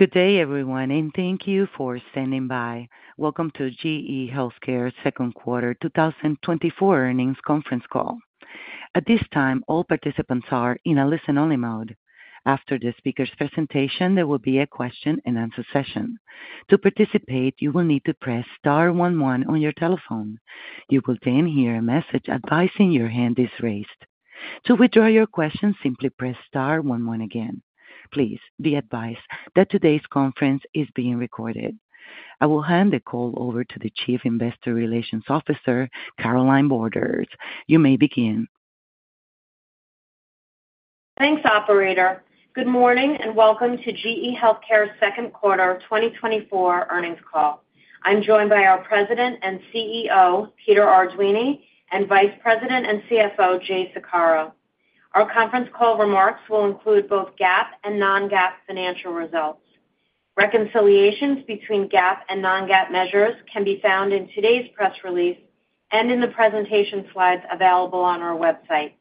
Good day, everyone, and thank you for standing by. Welcome to GE HealthCare's second quarter 2024 earnings conference call. At this time, all participants are in a listen-only mode. After the speaker's presentation, there will be a question-and-answer session. To participate, you will need to press star one one on your telephone. You will then hear a message advising your hand is raised. To withdraw your question, simply press star one one again. Please be advised that today's conference is being recorded. I will hand the call over to the Chief Investor Relations Officer, Carolynne Borders. You may begin. Thanks, operator. Good morning, and welcome to GE HealthCare's second quarter 2024 earnings call. I'm joined by our President and CEO, Peter Arduini, and Vice President and CFO, Jay Saccaro. Our conference call remarks will include both GAAP and non-GAAP financial results. Reconciliations between GAAP and non-GAAP measures can be found in today's press release and in the presentation slides available on our website.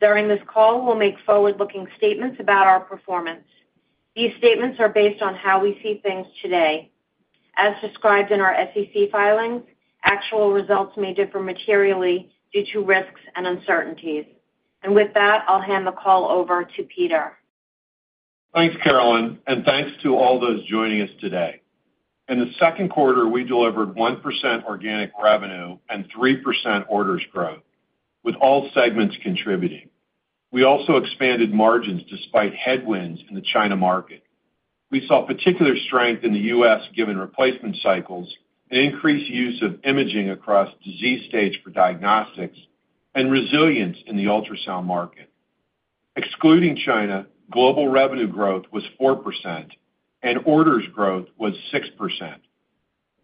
During this call, we'll make forward-looking statements about our performance. These statements are based on how we see things today. As described in our SEC filings, actual results may differ materially due to risks and uncertainties. With that, I'll hand the call over to Peter. Thanks, Carolynne, and thanks to all those joining us today. In the second quarter, we delivered 1% organic revenue and 3% orders growth, with all segments contributing. We also expanded margins despite headwinds in the China market. We saw particular strength in the U.S., given replacement cycles and increased use of imaging across disease stage for diagnostics and resilience in the ultrasound market. Excluding China, global revenue growth was 4% and orders growth was 6%.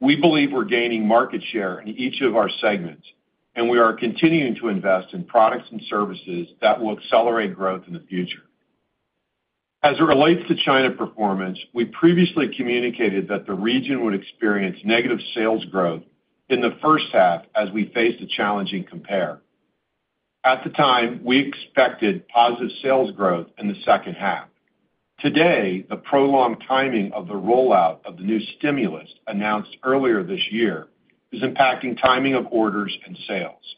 We believe we're gaining market share in each of our segments, and we are continuing to invest in products and services that will accelerate growth in the future. As it relates to China performance, we previously communicated that the region would experience negative sales growth in the first half as we faced a challenging compare. At the time, we expected positive sales growth in the second half. Today, the prolonged timing of the rollout of the new stimulus announced earlier this year is impacting timing of orders and sales.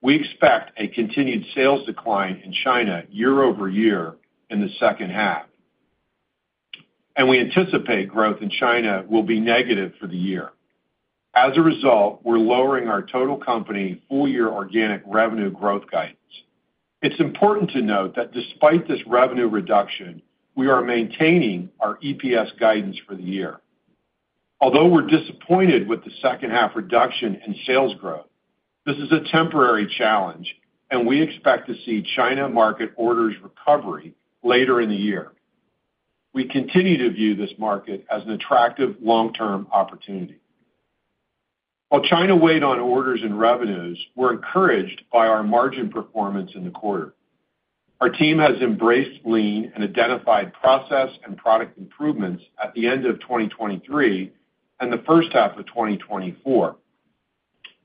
We expect a continued sales decline in China year-over-year in the second half, and we anticipate growth in China will be negative for the year. As a result, we're lowering our total company full-year organic revenue growth guidance. It's important to note that despite this revenue reduction, we are maintaining our EPS guidance for the year. Although we're disappointed with the second half reduction in sales growth, this is a temporary challenge, and we expect to see China market orders recovery later in the year. We continue to view this market as an attractive long-term opportunity. While China weighed on orders and revenues, we're encouraged by our margin performance in the quarter. Our team has embraced lean and identified process and product improvements at the end of 2023 and the first half of 2024.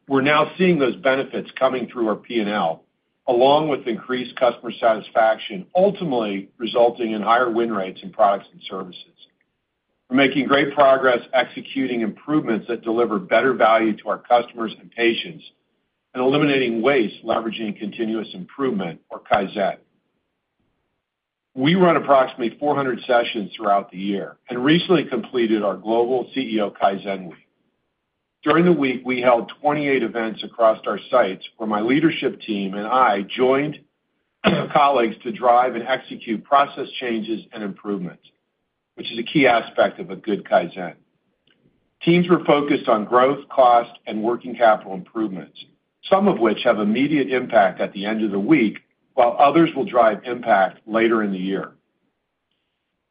We're now seeing those benefits coming through our P&L, along with increased customer satisfaction, ultimately resulting in higher win rates in products and services. We're making great progress executing improvements that deliver better value to our customers and patients and eliminating waste, leveraging continuous improvement or Kaizen. We run approximately 400 sessions throughout the year and recently completed our global CEO Kaizen week. During the week, we held 28 events across our sites, where my leadership team and I joined colleagues to drive and execute process changes and improvements, which is a key aspect of a good Kaizen. Teams were focused on growth, cost, and working capital improvements, some of which have immediate impact at the end of the week, while others will drive impact later in the year.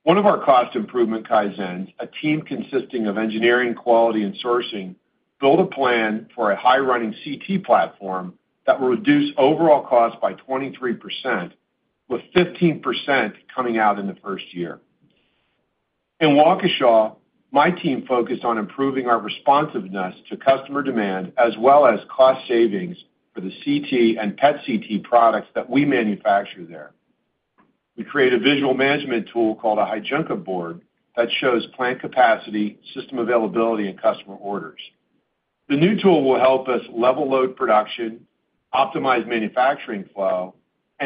One of our cost improvement Kaizens, a team consisting of engineering, quality, and sourcing, built a plan for a high-running CT platform that will reduce overall cost by 23%, with 15% coming out in the first year. In Waukesha, my team focused on improving our responsiveness to customer demand, as well as cost savings for the CT and PET CT products that we manufacture there. We created a visual management tool called a Heijunka board that shows plant capacity, system availability, and customer orders. The new tool will help us level load production, optimize manufacturing flow, and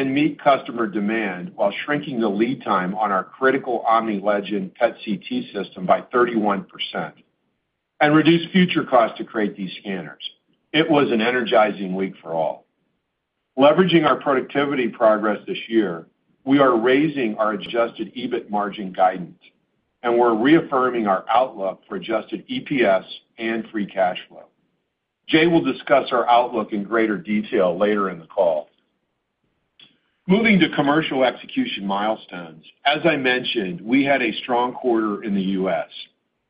meet customer demand while shrinking the lead time on our critical OmniLegend PET/CT system by 31% and reduce future costs to create these scanners. It was an energizing week for all. Leveraging our productivity progress this year, we are raising our adjusted EBIT margin guidance, and we're reaffirming our outlook for adjusted EPS and free cash flow. Jay will discuss our outlook in greater detail later in the call. Moving to commercial execution milestones, as I mentioned, we had a strong quarter in the U.S.,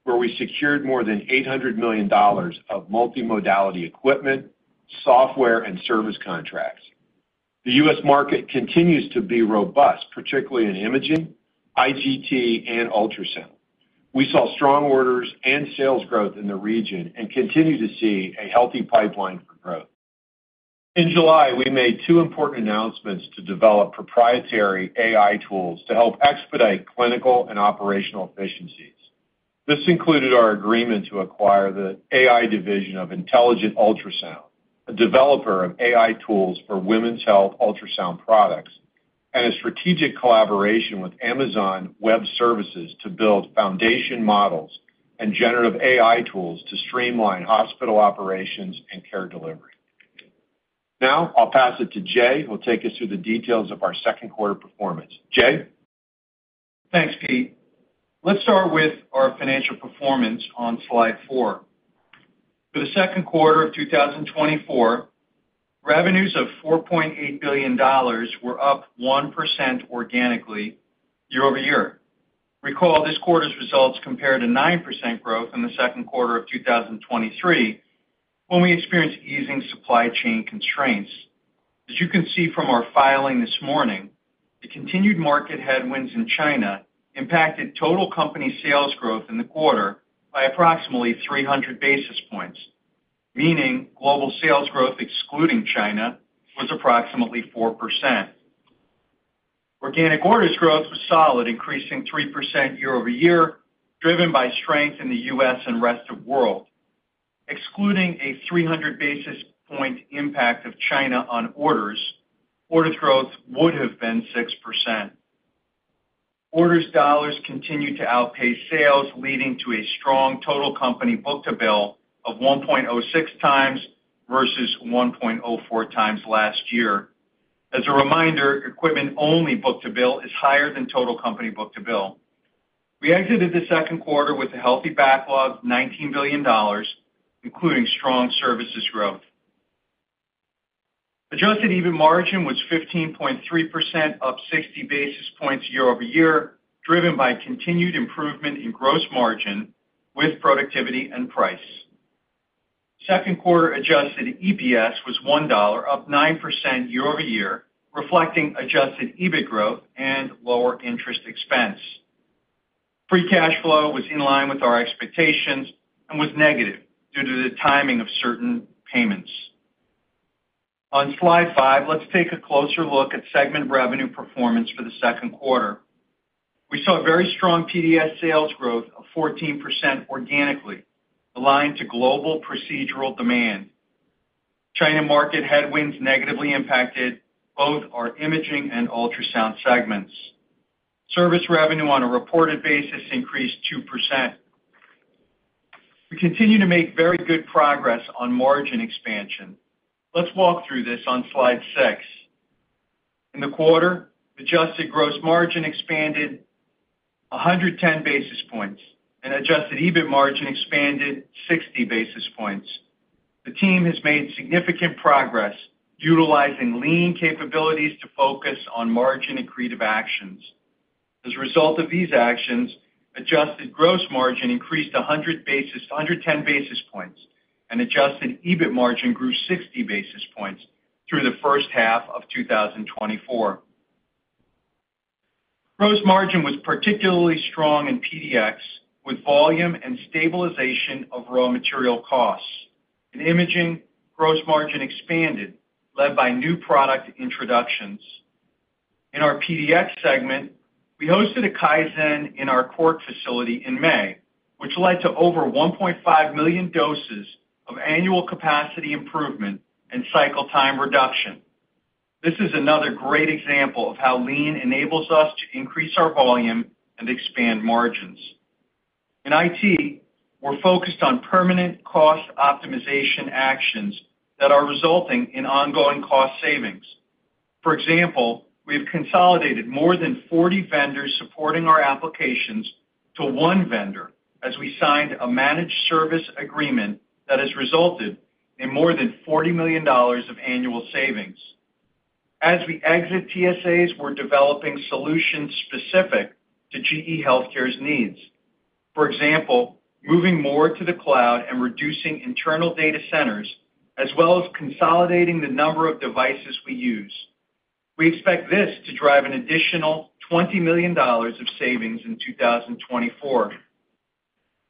where we secured more than $800 million of multimodality equipment, software, and service contracts. The U.S. market continues to be robust, particularly in imaging, IGS, and ultrasound. We saw strong orders and sales growth in the region and continue to see a healthy pipeline for growth.... In July, we made two important announcements to develop proprietary AI tools to help expedite clinical and operational efficiencies. This included our agreement to acquire the AI division of Intelligent Ultrasound, a developer of AI tools for women's health ultrasound products, and a strategic collaboration with Amazon Web Services to build foundation models and generative AI tools to streamline hospital operations and care delivery. Now, I'll pass it to Jay, who will take us through the details of our second quarter performance. Jay? Thanks, Pete. Let's start with our financial performance on slide four. For the second quarter of 2024, revenues of $4.8 billion were up 1% organically year-over-year. Recall, this quarter's results compared to 9% growth in the second quarter of 2023, when we experienced easing supply chain constraints. As you can see from our filing this morning, the continued market headwinds in China impacted total company sales growth in the quarter by approximately 300 basis points, meaning global sales growth, excluding China, was approximately 4%. Organic orders growth was solid, increasing 3% year-over-year, driven by strength in the U.S. and rest of world. Excluding a 300 basis point impact of China on orders, order growth would have been 6%. Orders dollars continued to outpace sales, leading to a strong total company book-to-bill of 1.06x versus 1.04x last year. As a reminder, equipment-only book-to-bill is higher than total company book-to-bill. We exited the second quarter with a healthy backlog of $19 billion, including strong services growth. Adjusted EBIT margin was 15.3%, up 60 basis points year-over-year, driven by continued improvement in gross margin with productivity and price. Second quarter adjusted EPS was $1, up 9% year-over-year, reflecting adjusted EBIT growth and lower interest expense. Free cash flow was in line with our expectations and was negative due to the timing of certain payments. On slide five, let's take a closer look at segment revenue performance for the second quarter. We saw very strong PDX sales growth of 14% organically, aligned to global procedural demand. China market headwinds negatively impacted both our imaging and ultrasound segments. Service revenue on a reported basis increased 2%. We continue to make very good progress on margin expansion. Let's walk through this on slide six. In the quarter, adjusted gross margin expanded 110 basis points, and adjusted EBIT margin expanded 60 basis points. The team has made significant progress utilizing lean capabilities to focus on margin-accretive actions. As a result of these actions, adjusted gross margin increased 110 basis points, and adjusted EBIT margin grew 60 basis points through the first half of 2024. Gross margin was particularly strong in PDX, with volume and stabilization of raw material costs. In imaging, gross margin expanded, led by new product introductions. In our PDX segment, we hosted a Kaizen in our Cork facility in May, which led to over 1.5 million doses of annual capacity improvement and cycle time reduction. This is another great example of how lean enables us to increase our volume and expand margins. In IT, we're focused on permanent cost optimization actions that are resulting in ongoing cost savings. For example, we have consolidated more than 40 vendors supporting our applications to one vendor as we signed a managed service agreement that has resulted in more than $40 million of annual savings. As we exit TSAs, we're developing solutions specific to GE HealthCare's needs. For example, moving more to the cloud and reducing internal data centers, as well as consolidating the number of devices we use. We expect this to drive an additional $20 million of savings in 2024.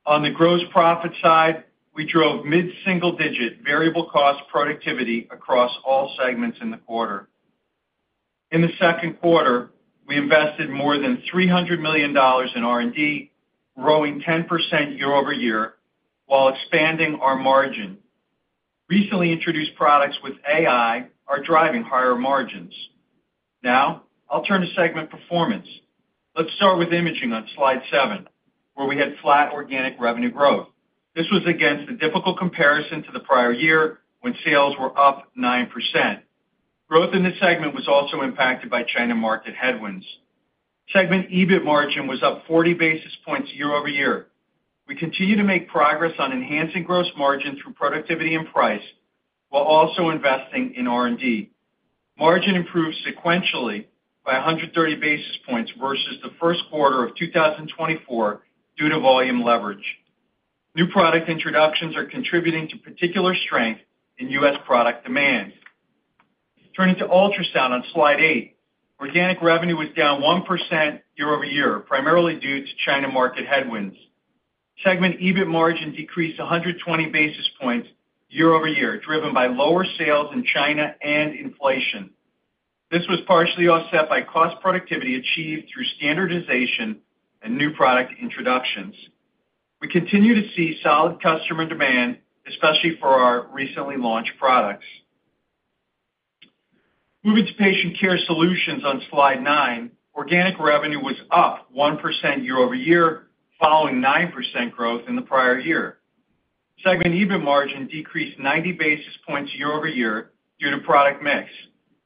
On the gross profit side, we drove mid-single-digit variable cost productivity across all segments in the quarter. In the second quarter, we invested more than $300 million in R&D, growing 10% year-over-year while expanding our margin. Recently introduced products with AI are driving higher margins. Now, I'll turn to segment performance. Let's start with imaging on slide seven, where we had flat organic revenue growth. This was against a difficult comparison to the prior year, when sales were up 9%. Growth in this segment was also impacted by China market headwinds. Segment EBIT margin was up 40 basis points year-over-year. We continue to make progress on enhancing gross margin through productivity and price, while also investing in R&D. Margin improved sequentially by 130 basis points versus the first quarter of 2024 due to volume leverage. New product introductions are contributing to particular strength in U.S. product demand. Turning to ultrasound on slide eight, organic revenue was down 1% year-over-year, primarily due to China market headwinds. Segment EBIT margin decreased 120 basis points year-over-year, driven by lower sales in China and inflation. This was partially offset by cost productivity achieved through standardization and new product introductions. We continue to see solid customer demand, especially for our recently launched products. Moving to Patient Care Solutions on slide nine, organic revenue was up 1% year-over-year, following 9% growth in the prior year. Segment EBIT margin decreased 90 basis points year-over-year due to product mix,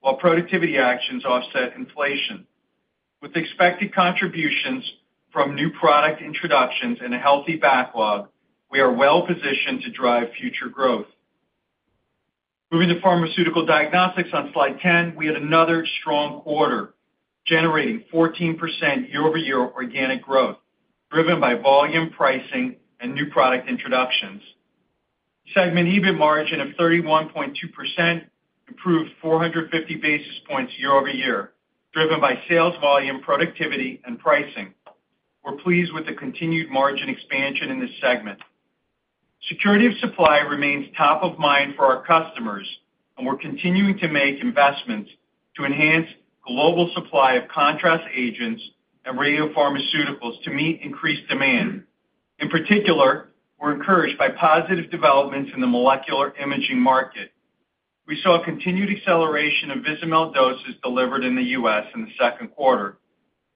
while productivity actions offset inflation. With expected contributions from new product introductions and a healthy backlog, we are well positioned to drive future growth. Moving to Pharmaceutical Diagnostics on Slide 10, we had another strong quarter, generating 14% year-over-year organic growth, driven by volume, pricing, and new product introductions. Segment EBIT margin of 31.2% improved 450 basis points year-over-year, driven by sales volume, productivity, and pricing. We're pleased with the continued margin expansion in this segment. Security of supply remains top of mind for our customers, and we're continuing to make investments to enhance global supply of contrast agents and radiopharmaceuticals to meet increased demand. In particular, we're encouraged by positive developments in the molecular imaging market. We saw a continued acceleration of Vizamyl doses delivered in the U.S. in the second quarter.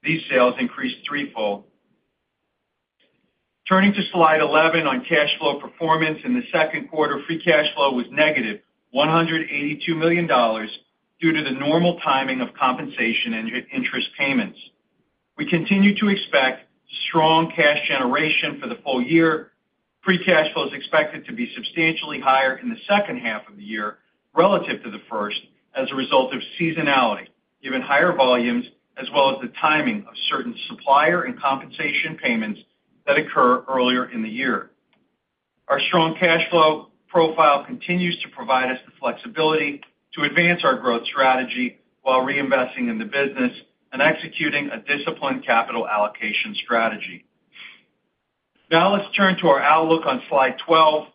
These sales increased threefold. Turning to Slide 11 on cash flow performance. In the second quarter, free cash flow was -$182 million due to the normal timing of compensation and interest payments. We continue to expect strong cash generation for the full year. Free cash flow is expected to be substantially higher in the second half of the year relative to the first, as a result of seasonality, given higher volumes, as well as the timing of certain supplier and compensation payments that occur earlier in the year. Our strong cash flow profile continues to provide us the flexibility to advance our growth strategy while reinvesting in the business and executing a disciplined capital allocation strategy. Now, let's turn to our outlook on Slide 12.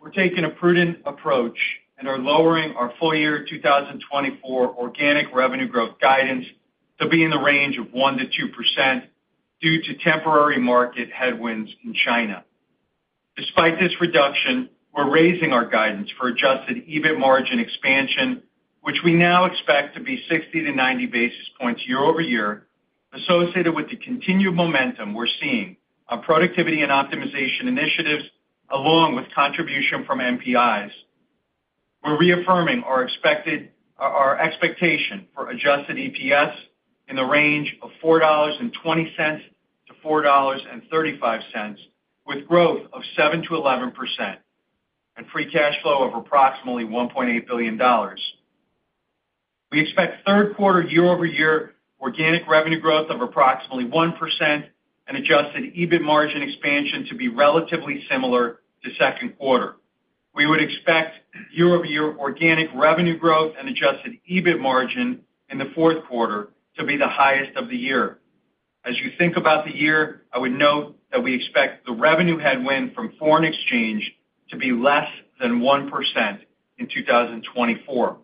We're taking a prudent approach and are lowering our full-year 2024 organic revenue growth guidance to be in the range of 1%-2% due to temporary market headwinds in China. Despite this reduction, we're raising our guidance for adjusted EBIT margin expansion, which we now expect to be 60-90 basis points year-over-year, associated with the continued momentum we're seeing on productivity and optimization initiatives, along with contribution from NPIs. We're reaffirming our expectation for adjusted EPS in the range of $4.20-$4.35, with growth of 7%-11% and free cash flow of approximately $1.8 billion. We expect third quarter year-over-year organic revenue growth of approximately 1% and adjusted EBIT margin expansion to be relatively similar to second quarter. We would expect year-over-year organic revenue growth and adjusted EBIT margin in the fourth quarter to be the highest of the year. As you think about the year, I would note that we expect the revenue headwind from foreign exchange to be less than 1% in 2024.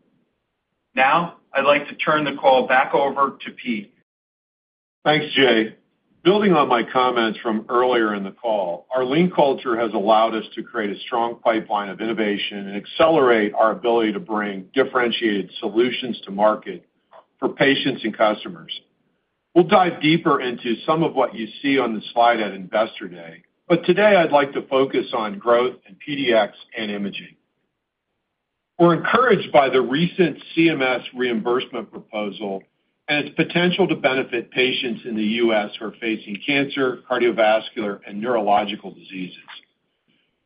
Now, I'd like to turn the call back over to Pete. Thanks, Jay. Building on my comments from earlier in the call, our lean culture has allowed us to create a strong pipeline of innovation and accelerate our ability to bring differentiated solutions to market for patients and customers. We'll dive deeper into some of what you see on the slide at Investor Day, but today I'd like to focus on growth in PDX and imaging. We're encouraged by the recent CMS reimbursement proposal and its potential to benefit patients in the U.S. who are facing cancer, cardiovascular, and neurological diseases.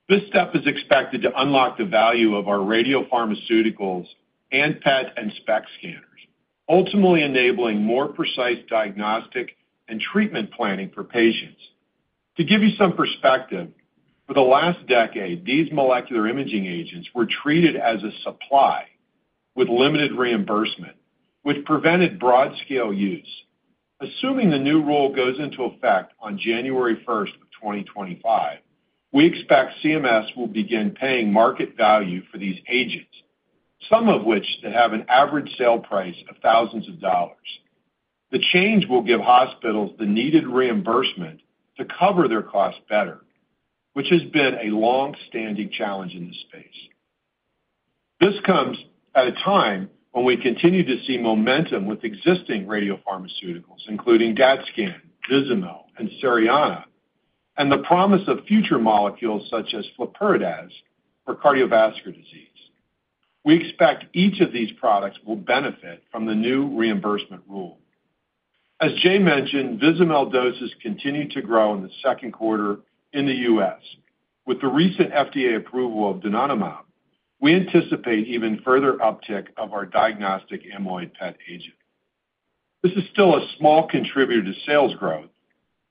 This step is expected to unlock the value of our radiopharmaceuticals and PET and SPECT scanners, ultimately enabling more precise diagnostic and treatment planning for patients. To give you some perspective, for the last decade, these molecular imaging agents were treated as a supply with limited reimbursement, which prevented broad-scale use. Assuming the new rule goes into effect on January 1st, 2025, we expect CMS will begin paying market value for these agents, some of which that have an average sale price of thousands of dollars. The change will give hospitals the needed reimbursement to cover their costs better, which has been a long-standing challenge in this space. This comes at a time when we continue to see momentum with existing radiopharmaceuticals, including DaTscan, Vizamyl, and Cerianna, and the promise of future molecules such as Flurpiridaz for cardiovascular disease. We expect each of these products will benefit from the new reimbursement rule. As Jay mentioned, Vizamyl doses continued to grow in the second quarter in the U.S. With the recent FDA approval of donanemab, we anticipate even further uptick of our diagnostic amyloid PET agent. This is still a small contributor to sales growth,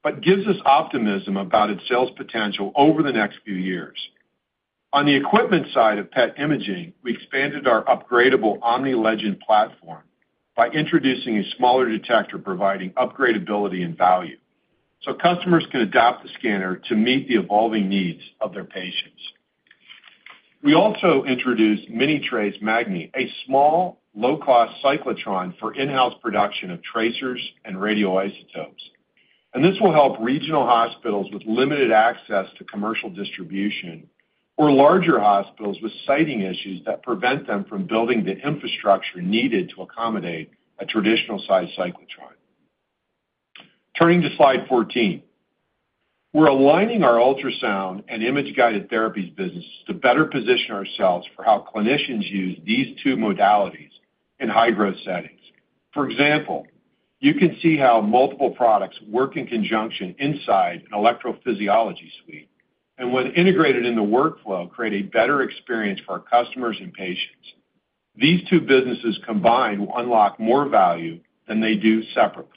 but gives us optimism about its sales potential over the next few years. On the equipment side of PET imaging, we expanded our upgradable OmniLegend platform by introducing a smaller detector, providing upgradeability and value, so customers can adapt the scanner to meet the evolving needs of their patients. We also introduced MINItrace Magni, a small, low-cost cyclotron for in-house production of tracers and radioisotopes. This will help regional hospitals with limited access to commercial distribution or larger hospitals with siting issues that prevent them from building the infrastructure needed to accommodate a traditional-sized cyclotron. Turning to slide 14. We're aligning our ultrasound and Image-Guided Therapies businesses to better position ourselves for how clinicians use these two modalities in high-growth settings. For example, you can see how multiple products work in conjunction inside an electrophysiology suite, and when integrated in the workflow, create a better experience for our customers and patients. These two businesses combined will unlock more value than they do separately.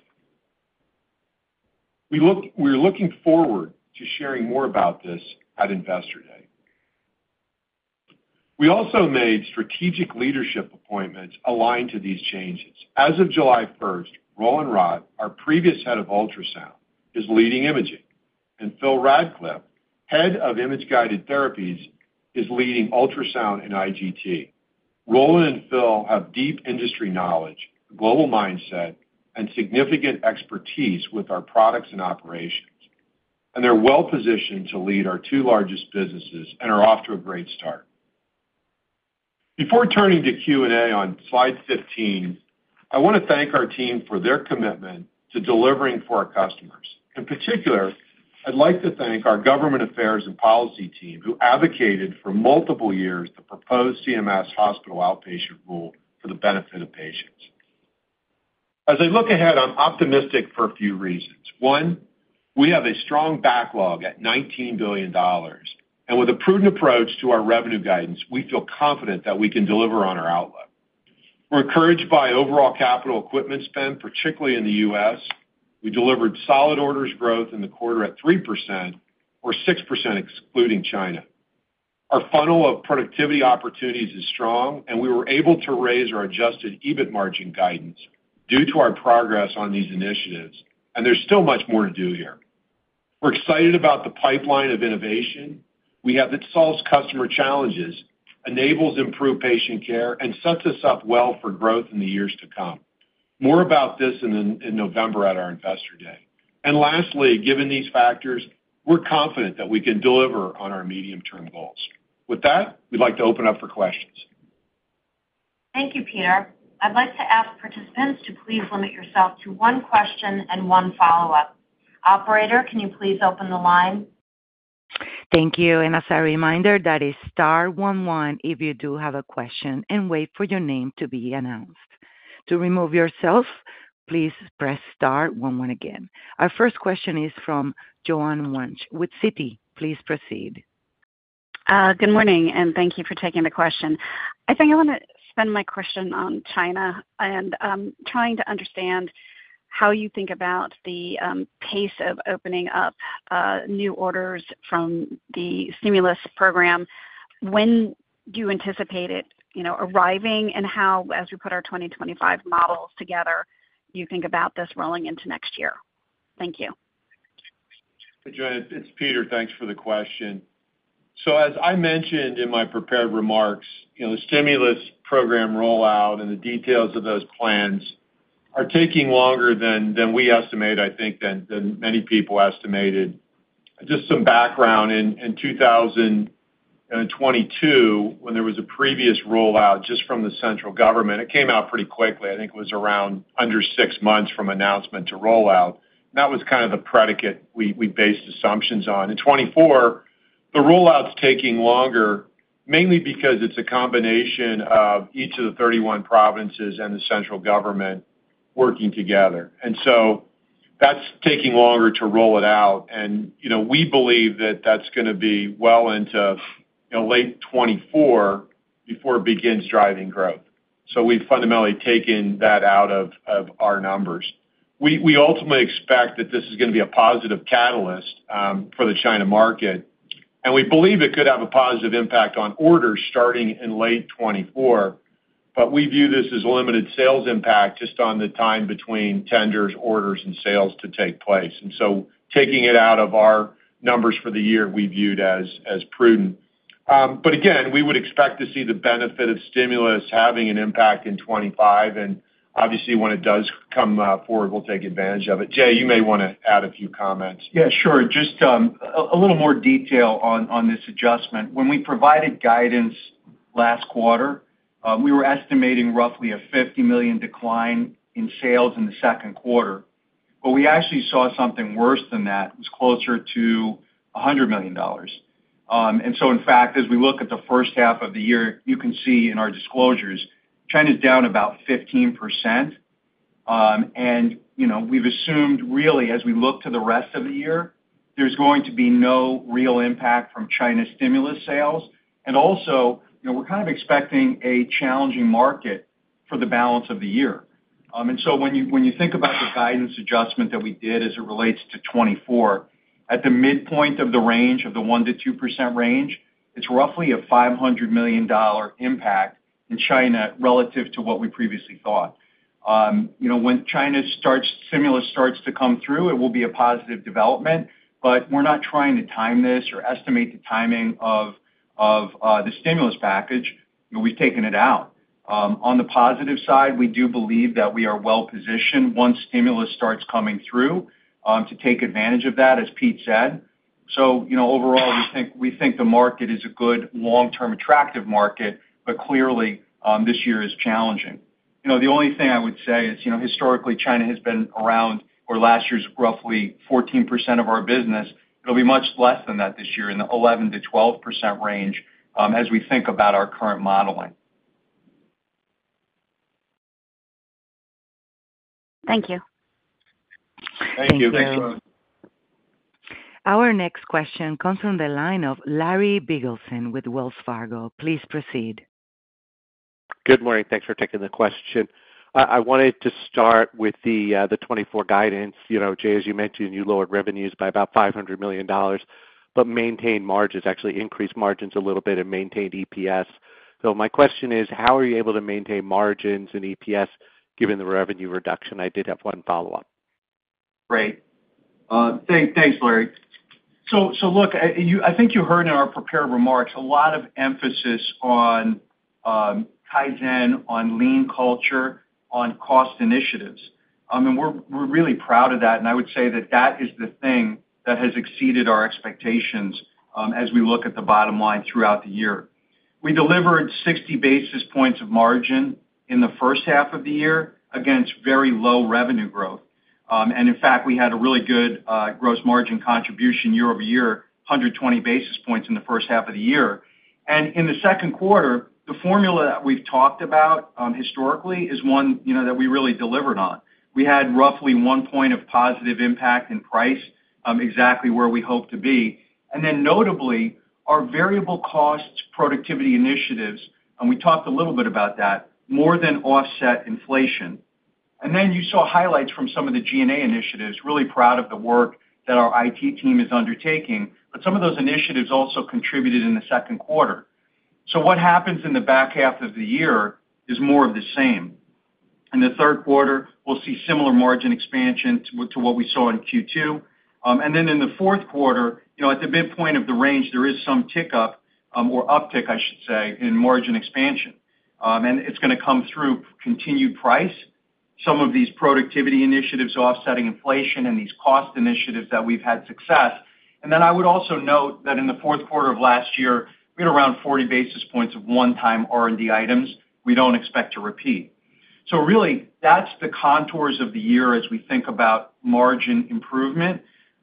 We're looking forward to sharing more about this at Investor Day. We also made strategic leadership appointments aligned to these changes. As of July 1st, Roland Rott, our previous head of ultrasound, is leading imaging, and Phil Rackliffe, head of image-guided therapies, is leading ultrasound and IGS. Roland and Phil have deep industry knowledge, global mindset, and significant expertise with our products and operations, and they're well positioned to lead our two largest businesses and are off to a great start. Before turning to Q&A on slide 15, I want to thank our team for their commitment to delivering for our customers. In particular, I'd like to thank our government affairs and policy team, who advocated for multiple years the proposed CMS hospital outpatient rule for the benefit of patients. As I look ahead, I'm optimistic for a few reasons. One, we have a strong backlog at $19 billion, and with a prudent approach to our revenue guidance, we feel confident that we can deliver on our outlook. We're encouraged by overall capital equipment spend, particularly in the U.S. We delivered solid orders growth in the quarter at 3%, or 6% excluding China. Our funnel of productivity opportunities is strong, and we were able to raise our adjusted EBIT margin guidance due to our progress on these initiatives, and there's still much more to do here. We're excited about the pipeline of innovation we have that solves customer challenges, enables improved patient care, and sets us up well for growth in the years to come. More about this in November at our Investor Day. And lastly, given these factors, we're confident that we can deliver on our medium-term goals. With that, we'd like to open up for questions. Thank you, Peter. I'd like to ask participants to please limit yourself to one question and one follow-up. Operator, can you please open the line? Thank you. As a reminder, that is star one one if you do have a question, and wait for your name to be announced. To remove yourself, please press star one one again. Our first question is from Joanne Wuensch with Citi. Please proceed. Good morning, and thank you for taking the question. I think I want to spend my question on China, and, trying to understand how you think about the, pace of opening up, new orders from the stimulus program. When do you anticipate it, you know, arriving, and how, as we put our 2025 models together, do you think about this rolling into next year? Thank you. Joanne, it's Peter. Thanks for the question. So as I mentioned in my prepared remarks, you know, the stimulus program rollout and the details of those plans are taking longer than we estimated, I think, than many people estimated. Just some background. In 2022, when there was a previous rollout just from the central government, it came out pretty quickly. I think it was around under six months from announcement to rollout. That was kind of the predicate we based assumptions on. In 2024, the rollout's taking longer, mainly because it's a combination of each of the 31 provinces and the central government working together. And so that's taking longer to roll it out, and, you know, we believe that that's gonna be well into, you know, late 2024 before it begins driving growth. So we've fundamentally taken that out of our numbers. We ultimately expect that this is gonna be a positive catalyst for the China market, and we believe it could have a positive impact on orders starting in late 2024, but we view this as a limited sales impact just on the time between tenders, orders, and sales to take place. And so taking it out of our numbers for the year, we viewed as prudent. But again, we would expect to see the benefit of stimulus having an impact in 2025, and obviously, when it does come forward, we'll take advantage of it. Jay, you may wanna add a few comments. Yeah, sure. Just a little more detail on this adjustment. When we provided guidance last quarter, we were estimating roughly a $50 million decline in sales in the second quarter, but we actually saw something worse than that. It was closer to a $100 million. And so in fact, as we look at the first half of the year, you can see in our disclosures, China's down about 15%. And, you know, we've assumed, really, as we look to the rest of the year, there's going to be no real impact from China's stimulus sales. And also, you know, we're kind of expecting a challenging market for the balance of the year.... And so when you, when you think about the guidance adjustment that we did as it relates to 2024, at the midpoint of the range, of the 1%-2% range, it's roughly a $500 million impact in China relative to what we previously thought. You know, when stimulus starts to come through, it will be a positive development, but we're not trying to time this or estimate the timing of, of, the stimulus package, and we've taken it out. On the positive side, we do believe that we are well positioned once stimulus starts coming through, to take advantage of that, as Pete said. So, you know, overall, we think, we think the market is a good long-term attractive market, but clearly, this year is challenging. You know, the only thing I would say is, you know, historically, China has been around, or last year's roughly 14% of our business. It'll be much less than that this year, in the 11%-12% range, as we think about our current modeling. Thank you. Thank you. Thanks a lot. Our next question comes from the line of Larry Biegelsen with Wells Fargo. Please proceed. Good morning. Thanks for taking the question. I wanted to start with the 2024 guidance. You know, Jay, as you mentioned, you lowered revenues by about $500 million, but maintained margins, actually increased margins a little bit and maintained EPS. So my question is, how are you able to maintain margins and EPS given the revenue reduction? I did have one follow-up. Great. Thanks, Larry. So look, I think you heard in our prepared remarks, a lot of emphasis on Kaizen, on lean culture, on cost initiatives. I mean, we're really proud of that, and I would say that that is the thing that has exceeded our expectations as we look at the bottom line throughout the year. We delivered 60 basis points of margin in the first half of the year against very low revenue growth. And in fact, we had a really good gross margin contribution year over year, 120 basis points in the first half of the year. And in the second quarter, the formula that we've talked about historically is one you know that we really delivered on. We had roughly one point of positive impact in price, exactly where we hoped to be. And then notably, our variable costs, productivity initiatives, and we talked a little bit about that, more than offset inflation. And then you saw highlights from some of the G&A initiatives, really proud of the work that our IT team is undertaking, but some of those initiatives also contributed in the second quarter. So what happens in the back half of the year is more of the same. In the third quarter, we'll see similar margin expansion to what we saw in Q2. And then in the fourth quarter, you know, at the midpoint of the range, there is some tick up, or uptick, I should say, in margin expansion. And it's gonna come through continued price. Some of these productivity initiatives offsetting inflation and these cost initiatives that we've had success. And then I would also note that in the fourth quarter of last year, we had around 40 basis points of one-time R&D items we don't expect to repeat. So really, that's the contours of the year as we think about margin improvement.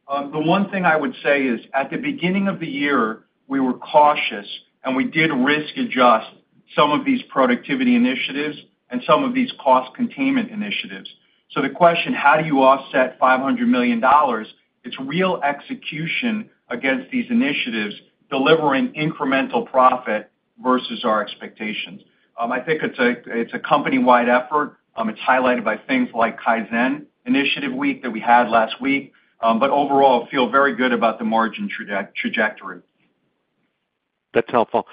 The one thing I would say is, at the beginning of the year, we were cautious, and we did risk adjust some of these productivity initiatives and some of these cost containment initiatives. So the question: How do you offset $500 million? It's real execution against these initiatives, delivering incremental profit versus our expectations. I think it's a company-wide effort. It's highlighted by things like Kaizen Initiative Week that we had last week, but overall, feel very good about the margin trajectory. That's helpful.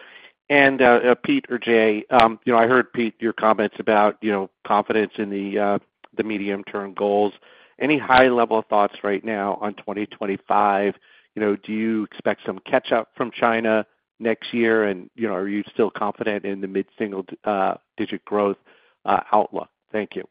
And, Pete or Jay, you know, I heard, Pete, your comments about, you know, confidence in the medium-term goals. Any high-level thoughts right now on 2025? You know, do you expect some catch-up from China next year? And, you know, are you still confident in the mid-single digit growth outlook? Thank you.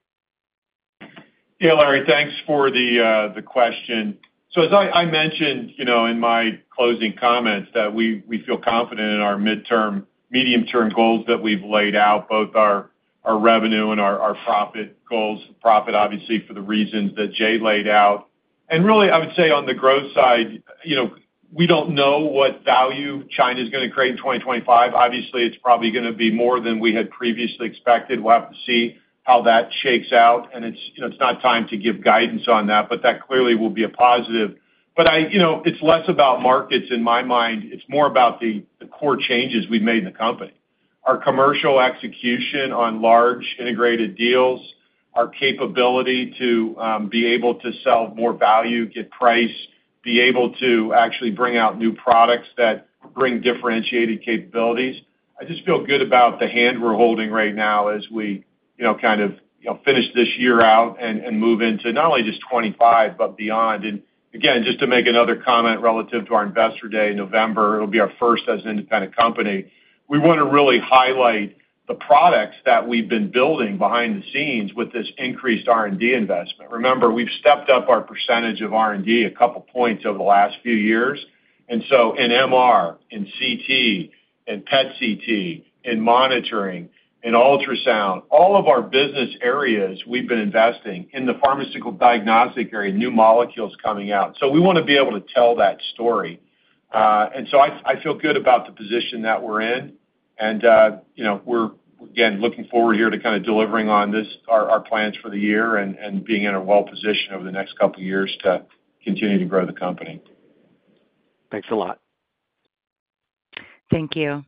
Yeah, Larry, thanks for the question. So as I, I mentioned, you know, in my closing comments that we, we feel confident in our medium-term goals that we've laid out, both our, our revenue and our, our profit goals. Profit, obviously, for the reasons that Jay laid out. And really, I would say on the growth side, you know, we don't know what value China's gonna create in 2025. Obviously, it's probably gonna be more than we had previously expected. We'll have to see how that shakes out, and it's, you know, it's not time to give guidance on that, but that clearly will be a positive. But I... You know, it's less about markets in my mind. It's more about the core changes we've made in the company. Our commercial execution on large integrated deals, our capability to be able to sell more value, get price, be able to actually bring out new products that bring differentiated capabilities. I just feel good about the hand we're holding right now as we, you know, kind of, you know, finish this year out and, and move into not only just 25, but beyond. And again, just to make another comment relative to our Investor Day in November, it'll be our first as an independent company. We want to really highlight the products that we've been building behind the scenes with this increased R&D investment. Remember, we've stepped up our percentage of R&D a couple points over the last few years. And so in MR, in CT, in PET CT, in monitoring, in ultrasound, all of our business areas, we've been investing in the pharmaceutical diagnostic area, new molecules coming out. So we want to be able to tell that story. And so I, I feel good about the position that we're in, and, you know, we're, again, looking forward here to kind of delivering on this, our, our plans for the year and, and being in a well position over the next couple of years to continue to grow the company. Thanks a lot. Thank you.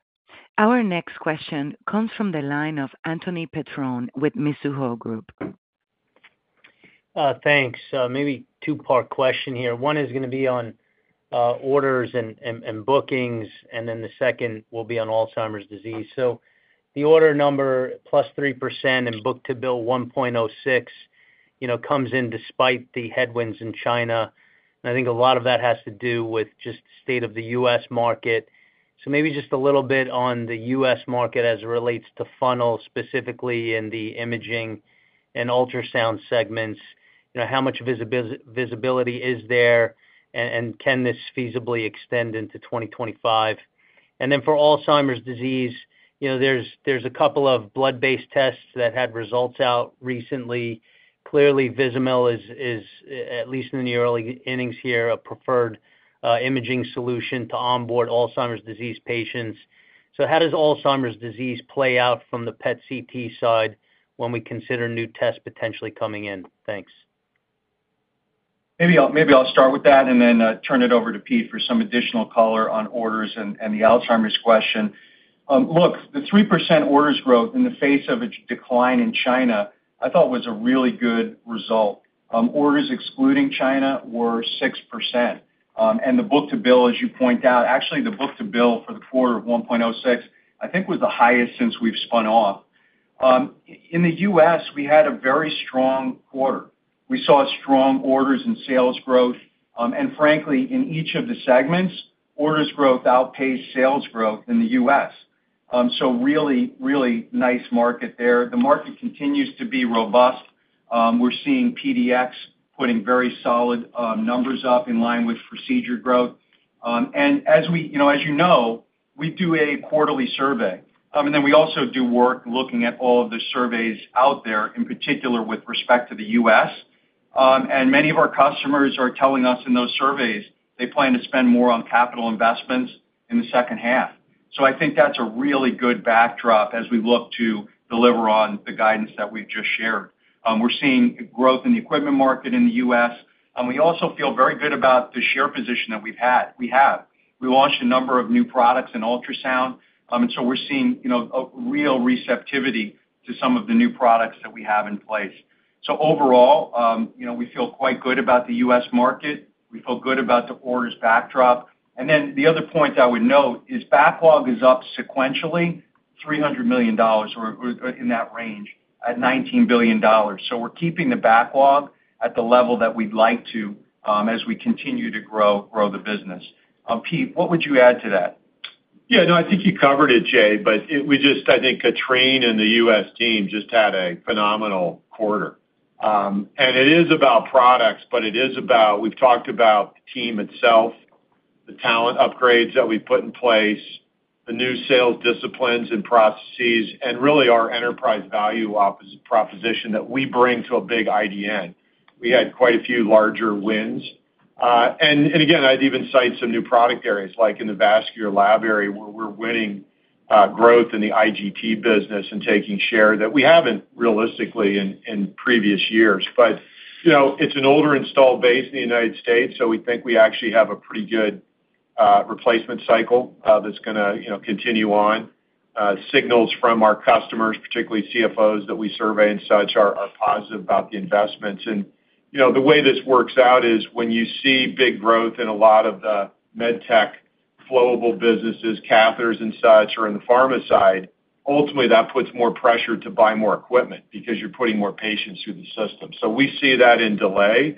Our next question comes from the line of Anthony Petrone with Mizuho Group. Thanks. Maybe two-part question here. One is gonna be on orders and bookings, and then the second will be on Alzheimer's disease. So the order number +3% and book-to-bill 1.06, you know, comes in despite the headwinds in China, and I think a lot of that has to do with just the state of the U.S. market. So maybe just a little bit on the U.S. market as it relates to funnel, specifically in the imaging and ultrasound segments. You know, how much visibility is there, and can this feasibly extend into 2025? And then for Alzheimer's disease, you know, there's a couple of blood-based tests that had results out recently. Clearly, Vizamyl is, at least in the early innings here, a preferred imaging solution to onboard Alzheimer's disease patients. How does Alzheimer's disease play out from the PET CT side when we consider new tests potentially coming in? Thanks. Maybe I'll start with that, and then turn it over to Pete for some additional color on orders and the Alzheimer's question. Look, the 3% orders growth in the face of a decline in China, I thought was a really good result. Orders excluding China were 6%. And the book-to-bill, as you point out... Actually, the book-to-bill for the quarter of 1.06, I think, was the highest since we've spun off. In the U.S., we had a very strong quarter. We saw strong orders and sales growth. And frankly, in each of the segments, orders growth outpaced sales growth in the U.S.. So really, really nice market there. The market continues to be robust. We're seeing PDX putting very solid numbers up in line with procedure growth. You know, as you know, we do a quarterly survey, and then we also do work looking at all of the surveys out there, in particular, with respect to the U.S. Many of our customers are telling us in those surveys they plan to spend more on capital investments in the second half. So I think that's a really good backdrop as we look to deliver on the guidance that we've just shared. We're seeing growth in the equipment market in the U.S., and we also feel very good about the share position that we have. We launched a number of new products in ultrasound, and so we're seeing, you know, a real receptivity to some of the new products that we have in place. So overall, you know, we feel quite good about the U.S. market. We feel good about the orders backdrop. Then the other point I would note is backlog is up sequentially, $300 million or in that range at $19 billion. So we're keeping the backlog at the level that we'd like to, as we continue to grow the business. Pete, what would you add to that? Yeah, no, I think you covered it, Jay, but it—we just—I think Catherine and the U.S. team just had a phenomenal quarter. And it is about products, but it is about... We've talked about the team itself, the talent upgrades that we've put in place, the new sales disciplines and processes, and really our enterprise value proposition that we bring to a big IDN. We had quite a few larger wins. And, and again, I'd even cite some new product areas, like in the vascular lab area, where we're winning, growth in the IGT business and taking share that we haven't realistically in, in previous years. But, you know, it's an older installed base in the United States, so we think we actually have a pretty good, replacement cycle, that's gonna, you know, continue on. Signals from our customers, particularly CFOs, that we survey and such, are positive about the investments. And, you know, the way this works out is when you see big growth in a lot of the med tech flowable businesses, catheters and such, or in the pharma side, ultimately, that puts more pressure to buy more equipment because you're putting more patients through the system. So we see that in delay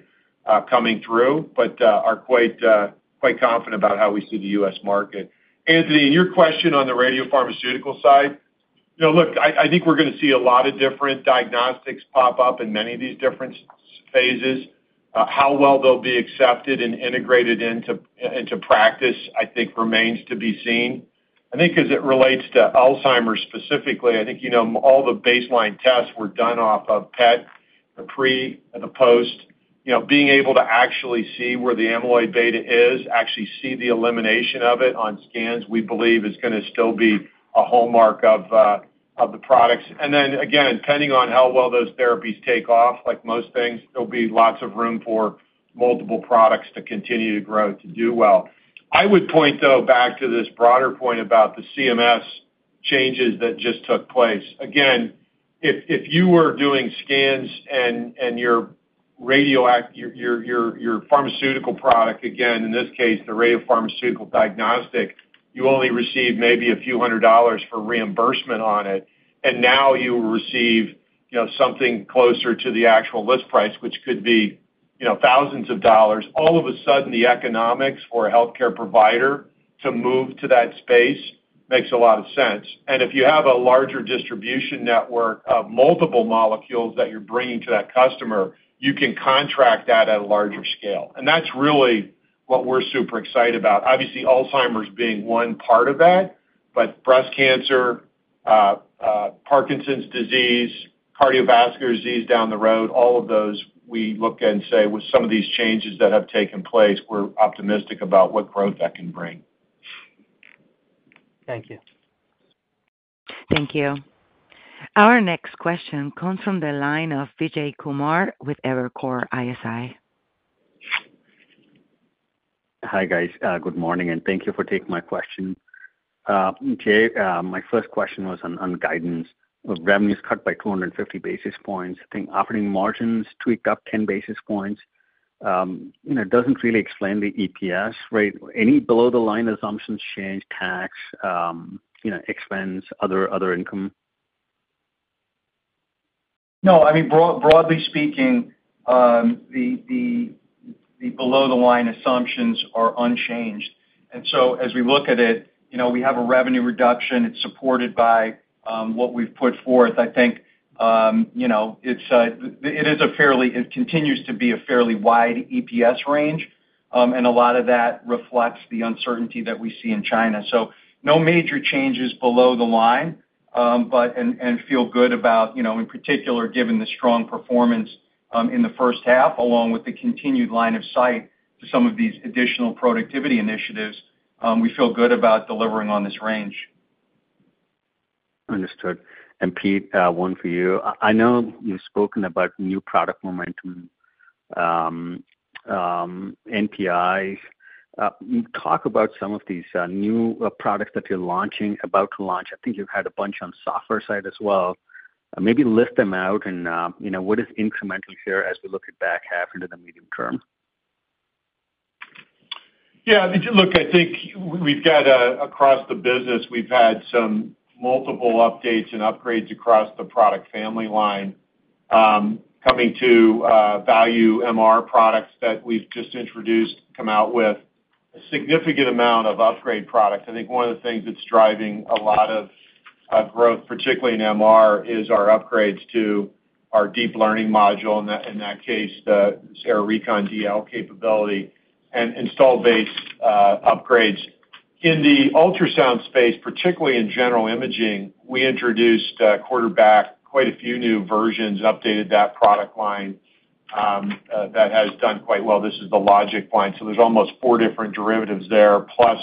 coming through, but are quite confident about how we see the U.S. market. Anthony, and your question on the radiopharmaceutical side, you know, look, I think we're gonna see a lot of different diagnostics pop up in many of these different phases. How well they'll be accepted and integrated into practice, I think remains to be seen. I think as it relates to Alzheimer's specifically, I think, you know, all the baseline tests were done off of PET, the pre and the post. You know, being able to actually see where the amyloid beta is, actually see the elimination of it on scans, we believe is gonna still be a hallmark of, of the products. And then, again, depending on how well those therapies take off, like most things, there'll be lots of room for multiple products to continue to grow to do well. I would point, though, back to this broader point about the CMS changes that just took place. Again, if you were doing scans and your radiopharmaceutical product, again, in this case, the radiopharmaceutical diagnostic, you only receive maybe a few hundred dollars for reimbursement on it, and now you receive, you know, something closer to the actual list price, which could be, you know, thousands dollars. All of a sudden, the economics for a healthcare provider to move to that space makes a lot of sense. If you have a larger distribution network of multiple molecules that you're bringing to that customer, you can contract that at a larger scale. And that's really what we're super excited about. Obviously, Alzheimer's being one part of that, but breast cancer, Parkinson's disease, cardiovascular disease down the road, all of those, we look and say, with some of these changes that have taken place, we're optimistic about what growth that can bring. Thank you. Thank you. Our next question comes from the line of Vijay Kumar with Evercore ISI. Hi, guys. Good morning, and thank you for taking my question. Jay, my first question was on guidance. Revenue is cut by 250 basis points. I think operating margins tweaked up 10 basis points. You know, it doesn't really explain the EPS, right? Any below-the-line assumptions, change tax, you know, expense, other income? No, I mean, broadly speaking, the below the line assumptions are unchanged. And so as we look at it, you know, we have a revenue reduction. It's supported by what we've put forth. I think, you know, it continues to be a fairly wide EPS range, and a lot of that reflects the uncertainty that we see in China. So no major changes below the line, but feel good about, you know, in particular, given the strong performance in the first half, along with the continued line of sight to some of these additional productivity initiatives, we feel good about delivering on this range. Understood. And Pete, one for you. I know you've spoken about new product momentum, NPI. Talk about some of these new products that you're launching, about to launch. I think you've had a bunch on software side as well. Maybe list them out and, you know, what is incremental here as we look at back half into the medium term? Yeah, look, I think we've got across the business, we've had some multiple updates and upgrades across the product family line, coming to value MR products that we've just introduced, come out with a significant amount of upgrade products. I think one of the things that's driving a lot of growth, particularly in MR, is our upgrades to our deep learning module, in that case, the AIR Recon DL capability and install base upgrades. In the ultrasound space, particularly in general imaging, we introduced quite a few new versions, updated that product line, that has done quite well. This is the LOGIQ line, so there's almost four different derivatives there, plus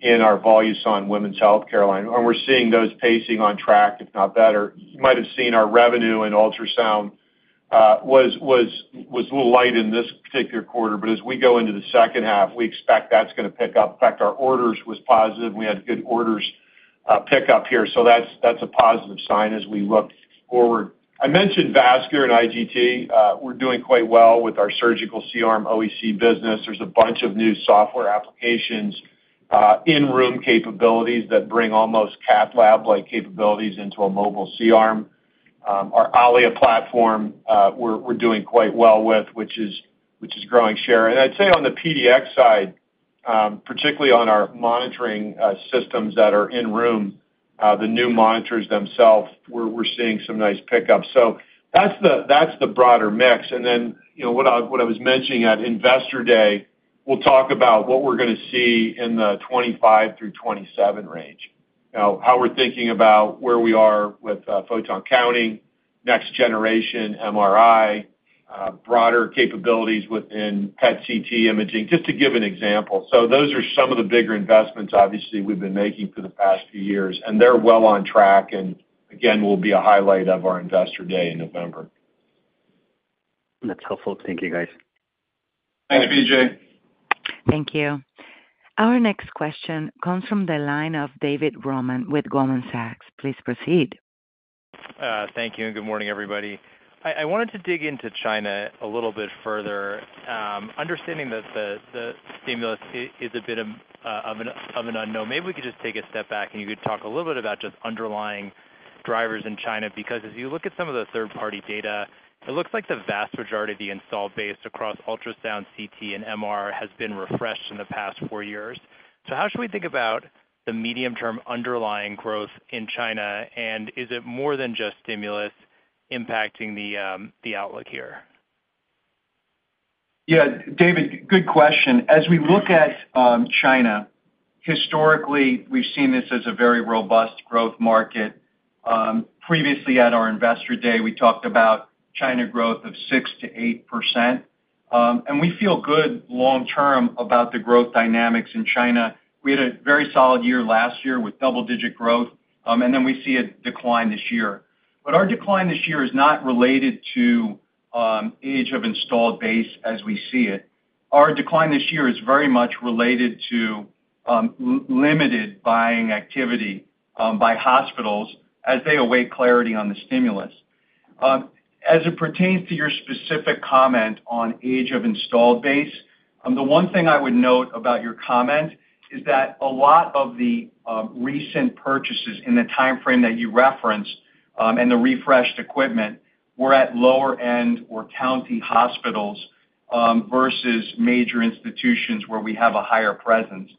in our Voluson women's health line, and we're seeing those pacing on track, if not better. You might have seen our revenue in ultrasound was a little light in this particular quarter, but as we go into the second half, we expect that's gonna pick up. In fact, our orders was positive, and we had good orders pick up here, so that's a positive sign as we look forward. I mentioned vascular and IGT. We're doing quite well with our surgical C-arm OEC business. There's a bunch of new software applications in-room capabilities that bring almost cath lab-like capabilities into a mobile C-arm. Our Allia platform, we're doing quite well with, which is growing share. And I'd say on the PDX side, particularly on our monitoring systems that are in room, the new monitors themselves, we're seeing some nice pick up. So that's the broader mix. And then, you know, what I was mentioning at Investor Day, we'll talk about what we're gonna see in the 2025-2027 range. You know, how we're thinking about where we are with photon counting, next generation MRI, broader capabilities within PET/CT imaging, just to give an example. So those are some of the bigger investments, obviously, we've been making for the past few years, and they're well on track, and again, will be a highlight of our Investor Day in November. That's helpful. Thank you, guys. Thanks, Vijay. Thank you. Our next question comes from the line of David Roman with Goldman Sachs. Please proceed. Thank you, and good morning, everybody. I wanted to dig into China a little bit further. Understanding that the stimulus is a bit of an unknown, maybe we could just take a step back, and you could talk a little bit about just underlying drivers in China. Because as you look at some of the third-party data, it looks like the vast majority of the installed base across ultrasound, CT, and MR has been refreshed in the past four years. So how should we think about the medium-term underlying growth in China, and is it more than just stimulus impacting the outlook here? Yeah, David, good question. As we look at China, historically, we've seen this as a very robust growth market. Previously at our Investor Day, we talked about China growth of 6%-8%, and we feel good long term about the growth dynamics in China. We had a very solid year last year with double-digit growth, and then we see a decline this year. But our decline this year is not related to age of installed base as we see it. Our decline this year is very much related to limited buying activity by hospitals as they await clarity on the stimulus. As it pertains to your specific comment on age of installed base, the one thing I would note about your comment is that a lot of the recent purchases in the timeframe that you referenced, and the refreshed equipment, were at lower-end or county hospitals, versus major institutions, where we have a higher presence.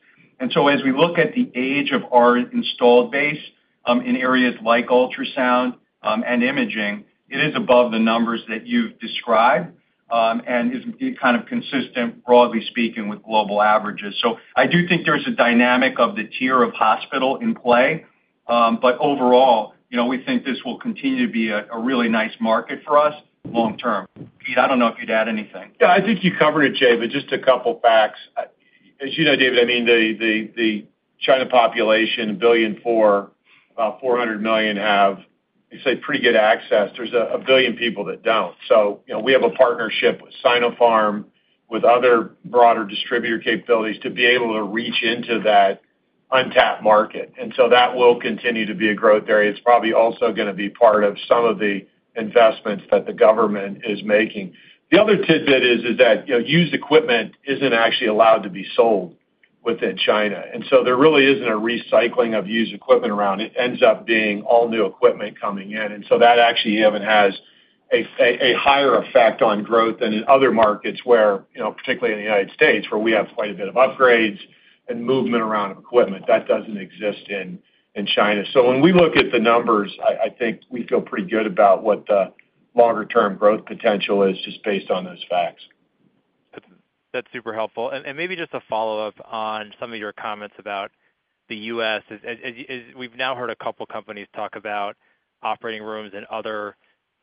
So as we look at the age of our installed base, in areas like ultrasound, and imaging, it is above the numbers that you've described, and is kind of consistent, broadly speaking, with global averages. So I do think there's a dynamic of the tier of hospital in play, but overall, you know, we think this will continue to be a really nice market for us long term. Pete, I don't know if you'd add anything. Yeah, I think you covered it, Jay, but just a couple facts. As you know, David, I mean, the China population, 1.4 billion, about 400 million have, you say, pretty good access. There's 1 billion people that don't. So, you know, we have a partnership with Sinopharm, with other broader distributor capabilities to be able to reach into that untapped market. And so that will continue to be a growth area. It's probably also gonna be part of some of the investments that the government is making. The other tidbit is that, you know, used equipment isn't actually allowed to be sold within China, and so there really isn't a recycling of used equipment around. It ends up being all new equipment coming in, and so that actually even has a higher effect on growth than in other markets where, you know, particularly in the United States, where we have quite a bit of upgrades and movement around equipment. That doesn't exist in China. So when we look at the numbers, I think we feel pretty good about what the longer term growth potential is just based on those facts. That's super helpful. And maybe just a follow-up on some of your comments about the U.S. As we've now heard a couple companies talk about operating rooms and other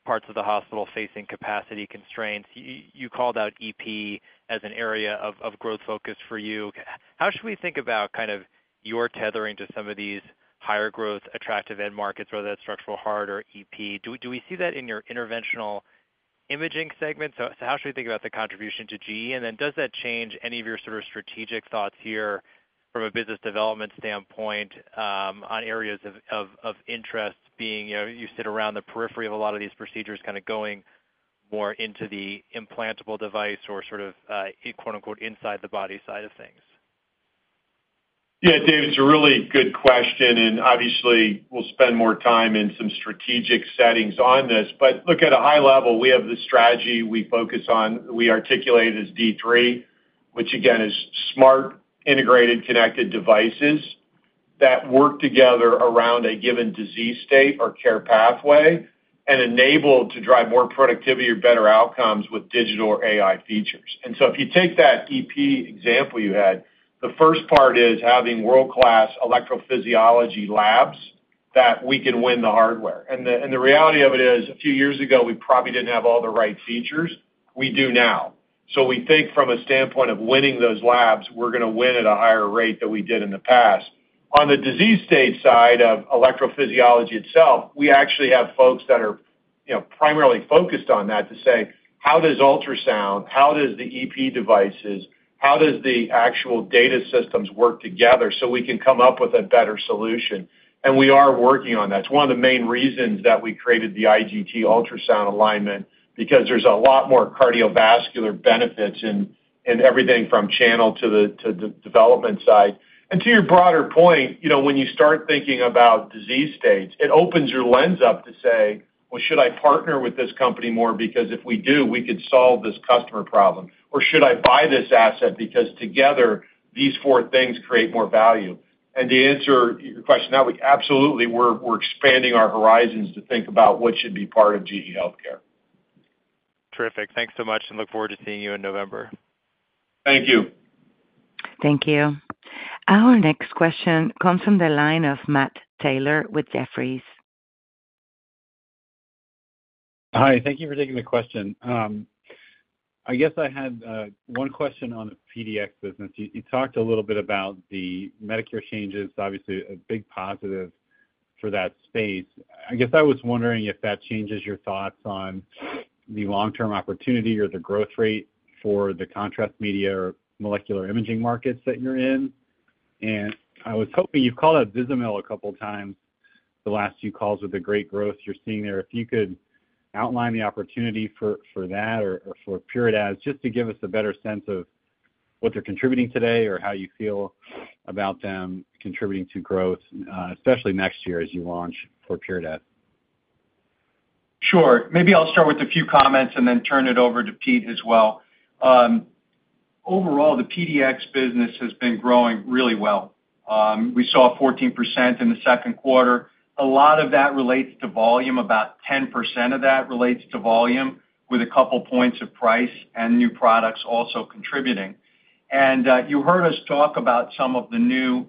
parts of the hospital facing capacity constraints. You called out EP as an area of growth focus for you. How should we think about kind of your tethering to some of these higher growth, attractive end markets, whether that's structural heart or EP? Do we see that in your interventional imaging segment? So how should we think about the contribution to GE? Then does that change any of your sort of strategic thoughts here from a business development standpoint, on areas of interest being, you know, you sit around the periphery of a lot of these procedures, kind of going more into the implantable device or sort of, quote, unquote, inside the body side of things? Yeah, David, it's a really good question, and obviously, we'll spend more time in some strategic settings on this. But look, at a high level, we have the strategy we focus on, we articulate as D3, which again, is smart, integrated, connected devices that work together around a given disease state or care pathway and enabled to drive more productivity or better outcomes with digital or AI features. And so if you take that EP example you had, the first part is having world-class electrophysiology labs that we can win the hardware. And the reality of it is, a few years ago, we probably didn't have all the right features. We do now. So we think from a standpoint of winning those labs, we're gonna win at a higher rate than we did in the past. On the disease state side of electrophysiology itself, we actually have folks that are, you know, primarily focused on that to say: How does ultrasound, how does the EP devices, how does the actual data systems work together so we can come up with a better solution? And we are working on that. It's one of the main reasons that we created the IGT ultrasound alignment, because there's a lot more cardiovascular benefits in, in everything from channel to the, to the development side. And to your broader point, you know, when you start thinking about disease states, it opens your lens up to say, "Well, should I partner with this company more? Because if we do, we could solve this customer problem. Or should I buy this asset because together, these four things create more value?" And to answer your question, now, absolutely, we're expanding our horizons to think about what should be part of GE HealthCare. Terrific. Thanks so much, and look forward to seeing you in November. Thank you. Thank you. Our next question comes from the line of Matt Taylor with Jefferies. Hi, thank you for taking the question. I guess I had one question on the PDX business. You talked a little bit about the Medicare changes, obviously a big positive for that space. I guess I was wondering if that changes your thoughts on the long-term opportunity or the growth rate for the contrast media or molecular imaging markets that you're in? And I was hoping, you've called out Vizamyl a couple times the last few calls with the great growth you're seeing there. If you could outline the opportunity for that or for Flurpiridaz, just to give us a better sense of what they're contributing today or how you feel about them contributing to growth, especially next year as you launch Flurpiridaz. Sure. Maybe I'll start with a few comments and then turn it over to Pete as well. Overall, the PDX business has been growing really well. We saw 14% in the second quarter. A lot of that relates to volume. About 10% of that relates to volume, with a couple points of price and new products also contributing. And you heard us talk about some of the new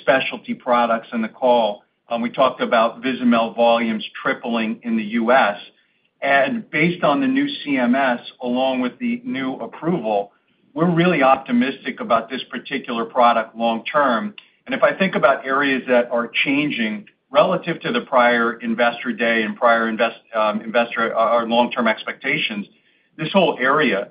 specialty products in the call. We talked about Vizamyl volumes tripling in the U.S. And based on the new CMS, along with the new approval, we're really optimistic about this particular product long term. And if I think about areas that are changing relative to the prior investor day and prior investor or long-term expectations, this whole area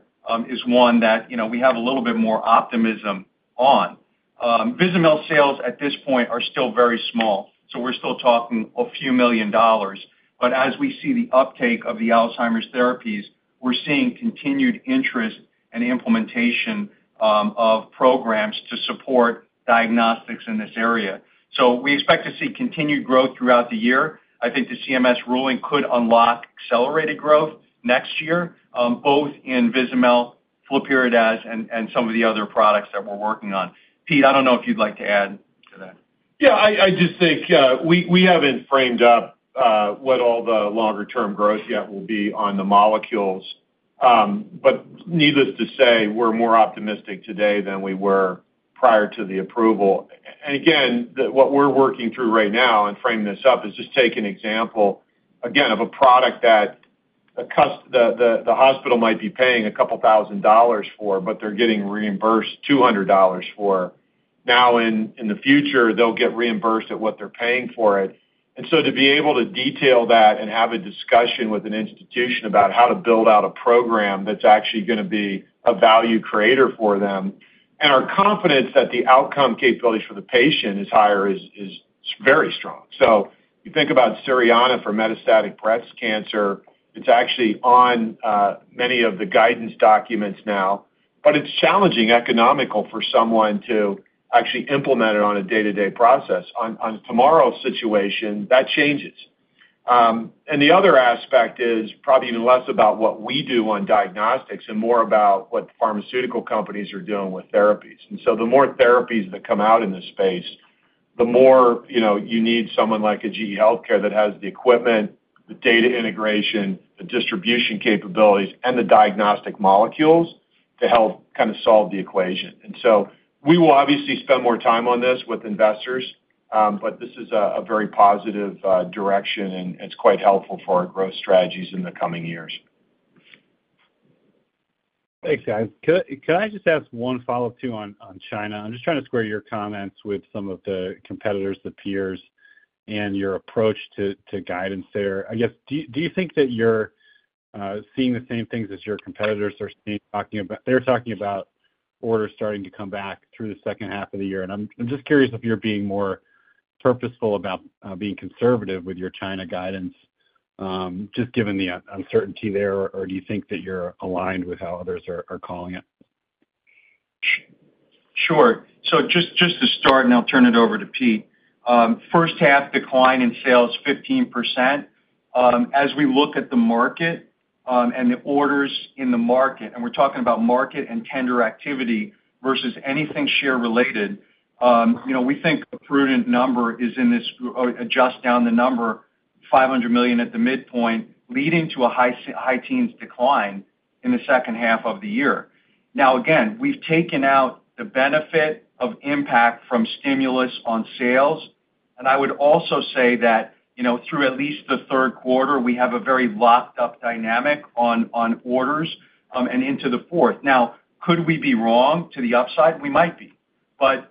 is one that, you know, we have a little bit more optimism on. Vizamyl sales at this point are still very small, so we're still talking a few million dollars. But as we see the uptake of the Alzheimer's therapies, we're seeing continued interest and implementation of programs to support diagnostics in this area. So we expect to see continued growth throughout the year. I think the CMS ruling could unlock accelerated growth next year, both in Vizamyl, Flurpiridaz, and some of the other products that we're working on. Pete, I don't know if you'd like to add to that. Yeah, I just think we haven't framed up what all the longer term growth yet will be on the molecules. But needless to say, we're more optimistic today than we were prior to the approval. And again, what we're working through right now, and frame this up, is just take an example, again, of a product that the hospital might be paying a couple dollars for, but they're getting reimbursed $200 for. Now, in the future, they'll get reimbursed at what they're paying for it. And so to be able to detail that and have a discussion with an institution about how to build out a program that's actually going to be a value creator for them, and our confidence that the outcome capabilities for the patient is higher is very strong. So you think about Cerianna for metastatic breast cancer, it's actually on many of the guidance documents now. But it's challenging economically for someone to actually implement it on a day-to-day process. On tomorrow's situation, that changes. And the other aspect is probably even less about what we do on diagnostics and more about what pharmaceutical companies are doing with therapies. And so the more therapies that come out in this space, the more, you know, you need someone like a GE HealthCare that has the equipment, the data integration, the distribution capabilities, and the diagnostic molecules to help kind of solve the equation. And so we will obviously spend more time on this with investors, but this is a very positive direction, and it's quite helpful for our growth strategies in the coming years. Thanks, guys. Could I just ask one follow-up, too, on China? I'm just trying to square your comments with some of the competitors, the peers, and your approach to guidance there. I guess, do you think that you're seeing the same things as your competitors are seeing? They're talking about orders starting to come back through the second half of the year, and I'm just curious if you're being more purposeful about being conservative with your China guidance, just given the uncertainty there, or do you think that you're aligned with how others are calling it? Sure. So just, just to start, and I'll turn it over to Pete. First half decline in sales, 15%. As we look at the market, and the orders in the market, and we're talking about market and tender activity versus anything share related, you know, we think a prudent number is in this or adjust down the number, $500 million at the midpoint, leading to a high teens decline in the second half of the year. Now, again, we've taken out the benefit of impact from stimulus on sales, and I would also say that, you know, through at least the third quarter, we have a very locked-up dynamic on orders, and into the fourth. Now, could we be wrong to the upside? We might be.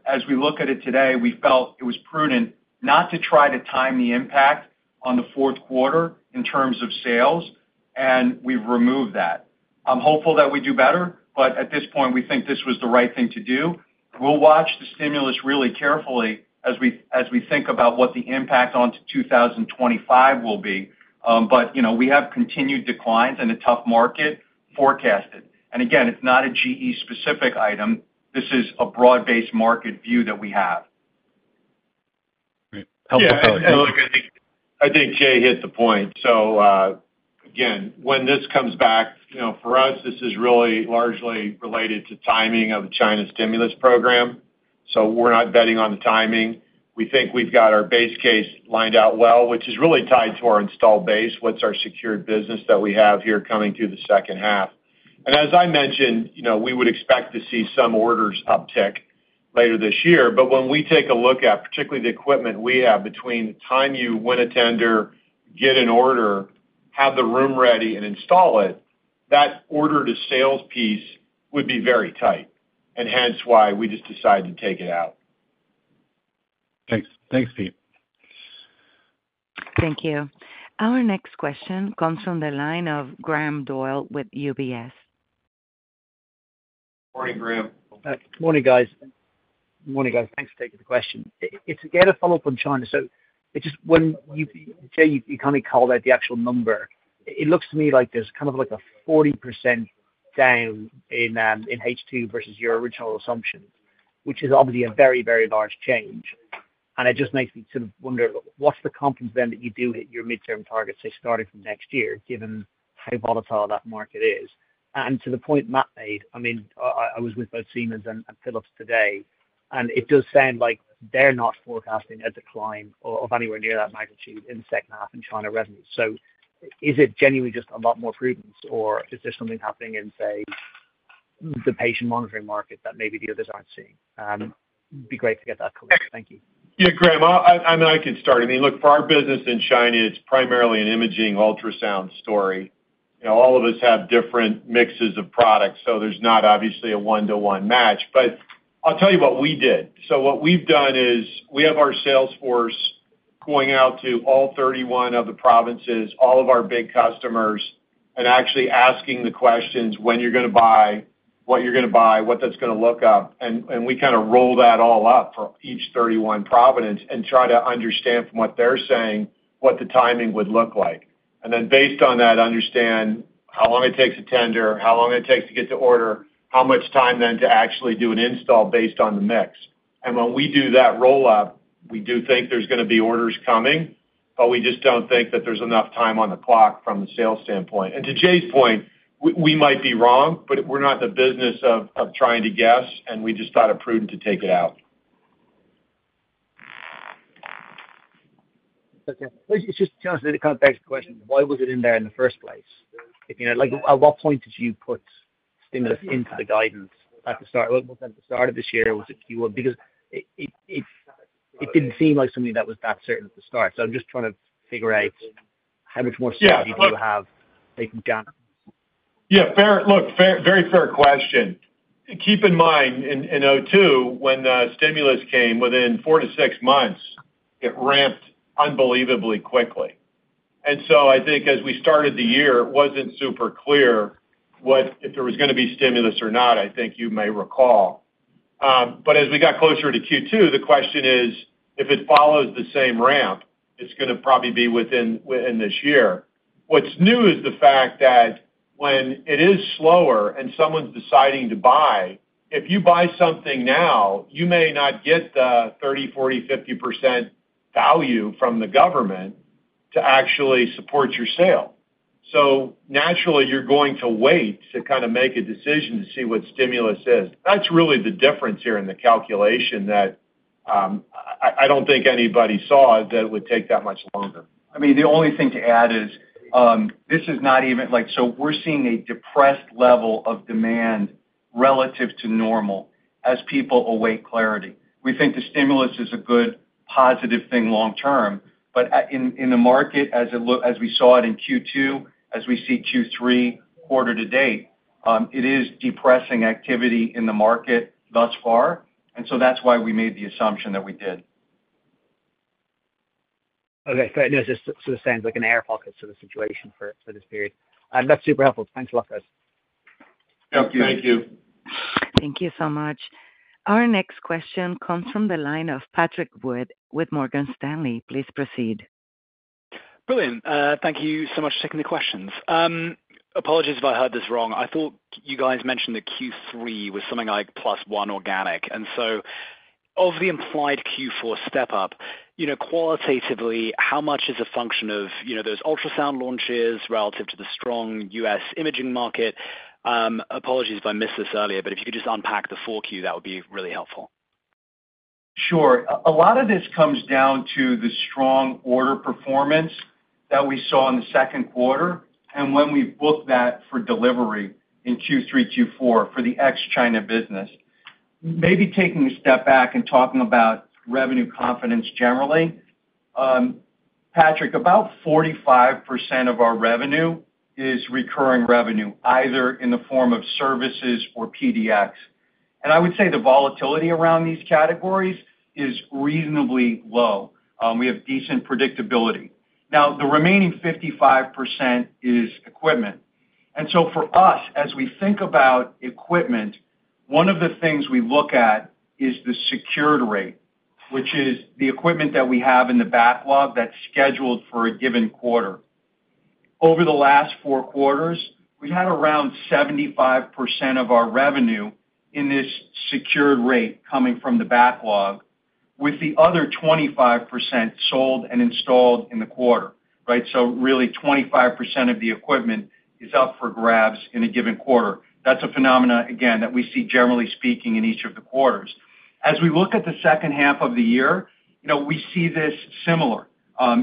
As we look at it today, we felt it was prudent not to try to time the impact on the fourth quarter in terms of sales, and we've removed that. I'm hopeful that we do better, but at this point, we think this was the right thing to do. We'll watch the stimulus really carefully as we think about what the impact on 2025 will be. But you know, we have continued declines in a tough market forecasted. Again, it's not a GE-specific item. This is a broad-based market view that we have. Great. Helpful. Yeah, look, I think, I think Jay hit the point. So, again, when this comes back, you know, for us, this is really largely related to timing of the China stimulus program, so we're not betting on the timing. We think we've got our base case lined out well, which is really tied to our installed base, what's our secured business that we have here coming through the second half. And as I mentioned, you know, we would expect to see some orders uptick later this year. But when we take a look at particularly the equipment we have, between the time you win a tender, get an order, have the room ready, and install it, that order to sales piece would be very tight, and hence why we just decided to take it out. Thanks. Thanks, Pete. Thank you. Our next question comes from the line of Graham Doyle with UBS. Morning, Graham. Good morning, guys. Good morning, guys. Thanks for taking the question. It's, again, a follow-up on China. So just when you-- Jay, you kind of called out the actual number. It looks to me like there's kind of like a 40% down in H2 versus your original assumptions, which is obviously a very, very large change. And it just makes me sort of wonder, what's the confidence then, that you do hit your midterm targets, say, starting from next year, given how volatile that market is? And to the point Matt made, I mean, I was with both Siemens and Philips today, and it does sound like they're not forecasting a decline of anywhere near that magnitude in second half in China revenues. So is it genuinely just a lot more prudence, or is there something happening in, say, the patient monitoring market that maybe the others aren't seeing? It'd be great to get that color. Thank you. Yeah, Graham, I mean, look, for our business in China, it's primarily an imaging ultrasound story. You know, all of us have different mixes of products, so there's not obviously a one-to-one match. But I'll tell you what we did. So what we've done is, we have our sales force going out to all 31 of the provinces, all of our big customers, and actually asking the questions, when you're going to buy, what you're going to buy, what that's going to look like. And we kind of roll that all up for each 31 province and try to understand from what they're saying, what the timing would look like. Then, based on that, understand how long it takes to tender, how long it takes to get the order, how much time then to actually do an install based on the mix. When we do that roll-up, we do think there's going to be orders coming, but we just don't think that there's enough time on the clock from a sales standpoint. To Jay's point, we might be wrong, but we're not in the business of trying to guess, and we just thought it prudent to take it out. Okay. It's just to ask the question, why was it in there in the first place? You know, like, at what point did you put stimulus into the guidance at the start? Was it at the start of this year, or was it Q1? Because it-... It didn't seem like something that was that certain at the start. So I'm just trying to figure out how much more certainty- Yeah. Do you have taken down? Yeah, fair. Look, fair, very fair question. Keep in mind, in 2002, when the stimulus came, within four-six months, it ramped unbelievably quickly. And so I think as we started the year, it wasn't super clear what if there was gonna be stimulus or not, I think you may recall. But as we got closer to Q2, the question is: If it follows the same ramp, it's gonna probably be within, within this year. What's new is the fact that when it is slower and someone's deciding to buy, if you buy something now, you may not get the 30%, 40%, 50% value from the government to actually support your sale. So naturally, you're going to wait to kind of make a decision to see what stimulus is. That's really the difference here in the calculation that, I don't think anybody saw that it would take that much longer. I mean, the only thing to add is, this is not even—like, so we're seeing a depressed level of demand relative to normal as people await clarity. We think the stimulus is a good, positive thing long term, but, in the market, as we saw it in Q2, as we see Q3 quarter to date, it is depressing activity in the market thus far, and so that's why we made the assumption that we did. Okay, so I know this sort of sounds like an air pocket sort of situation for this period. That's super helpful. Thanks a lot, guys. Thank you. Thank you. Thank you so much. Our next question comes from the line of Patrick Wood with Morgan Stanley. Please proceed. Brilliant. Thank you so much for taking the questions. Apologies if I heard this wrong. I thought you guys mentioned that Q3 was something like +1 organic, and so of the implied Q4 step up, you know, qualitatively, how much is a function of, you know, those ultrasound launches relative to the strong U.S. imaging market? Apologies if I missed this earlier, but if you could just unpack the full Q, that would be really helpful. Sure. A lot of this comes down to the strong order performance that we saw in the second quarter and when we booked that for delivery in Q3, Q4 for the ex-China business. Maybe taking a step back and talking about revenue confidence generally, Patrick, about 45% of our revenue is recurring revenue, either in the form of services or PDX. And I would say the volatility around these categories is reasonably low. We have decent predictability. Now, the remaining 55% is equipment. And so for us, as we think about equipment, one of the things we look at is the secured rate, which is the equipment that we have in the backlog that's scheduled for a given quarter. Over the last four quarters, we had around 75% of our revenue in this secured rate coming from the backlog, with the other 25% sold and installed in the quarter, right? So really, 25% of the equipment is up for grabs in a given quarter. That's a phenomenon, again, that we see, generally speaking, in each of the quarters. As we look at the second half of the year, you know, we see this similar,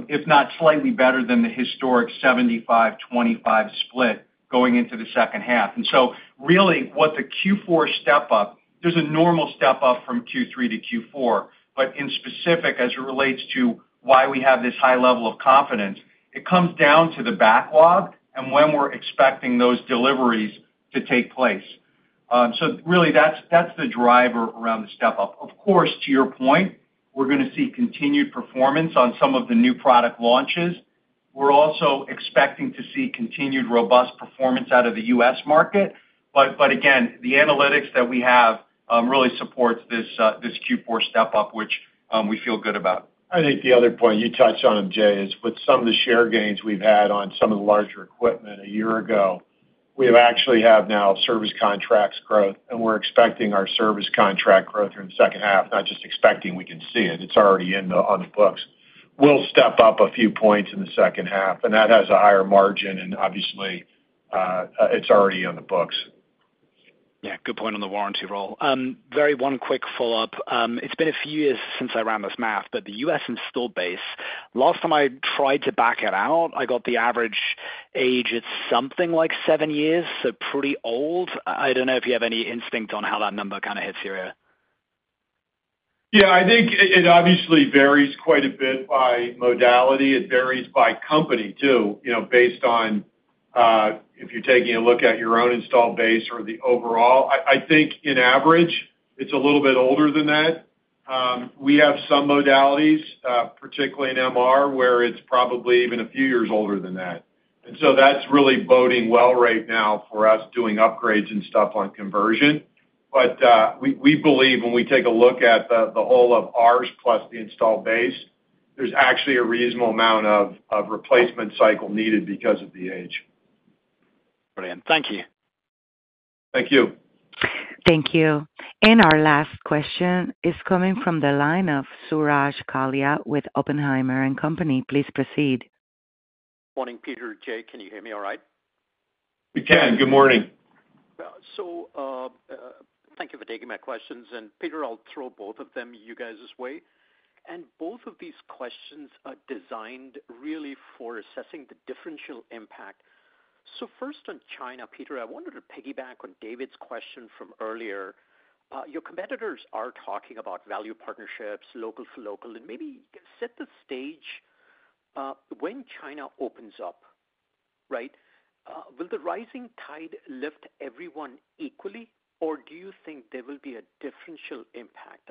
if not slightly better than the historic 75/25 split going into the second half. And so really, what the Q4 step up, there's a normal step up from Q3 to Q4, but in specific, as it relates to why we have this high level of confidence, it comes down to the backlog and when we're expecting those deliveries to take place. So really, that's the driver around the step up. Of course, to your point, we're gonna see continued performance on some of the new product launches. We're also expecting to see continued robust performance out of the U.S. market, but again, the analytics that we have really supports this Q4 step up, which we feel good about. I think the other point you touched on, Jay, is with some of the share gains we've had on some of the larger equipment a year ago, we actually have now service contracts growth, and we're expecting our service contract growth in the second half, not just expecting, we can see it. It's already on the books. We'll step up a few points in the second half, and that has a higher margin, and obviously, it's already on the books. Yeah, good point on the warranty roll. Very one quick follow-up. It's been a few years since I ran this math, but the U.S. installed base, last time I tried to back it out, I got the average age at something like seven years, so pretty old. I don't know if you have any instinct on how that number kind of hits here. Yeah, I think it obviously varies quite a bit by modality. It varies by company, too, you know, based on if you're taking a look at your own installed base or the overall. I think on average, it's a little bit older than that. We have some modalities, particularly in MR, where it's probably even a few years older than that. And so that's really boding well right now for us doing upgrades and stuff on conversion. But we believe when we take a look at the whole of ours plus the installed base, there's actually a reasonable amount of replacement cycle needed because of the age. Brilliant. Thank you. Thank you. Thank you. And our last question is coming from the line of Suraj Kalia with Oppenheimer & Co. Please proceed. Morning, Peter, Jay, can you hear me all right? We can. Good morning. So, thank you for taking my questions. And Peter, I'll throw both of them you guys' way. And both of these questions are designed really for assessing the differential impact. So first on China, Peter, I wanted to piggyback on David's question from earlier. Your competitors are talking about value partnerships, local to local, and maybe set the stage, when China opens up, right? Will the rising tide lift everyone equally, or do you think there will be a differential impact?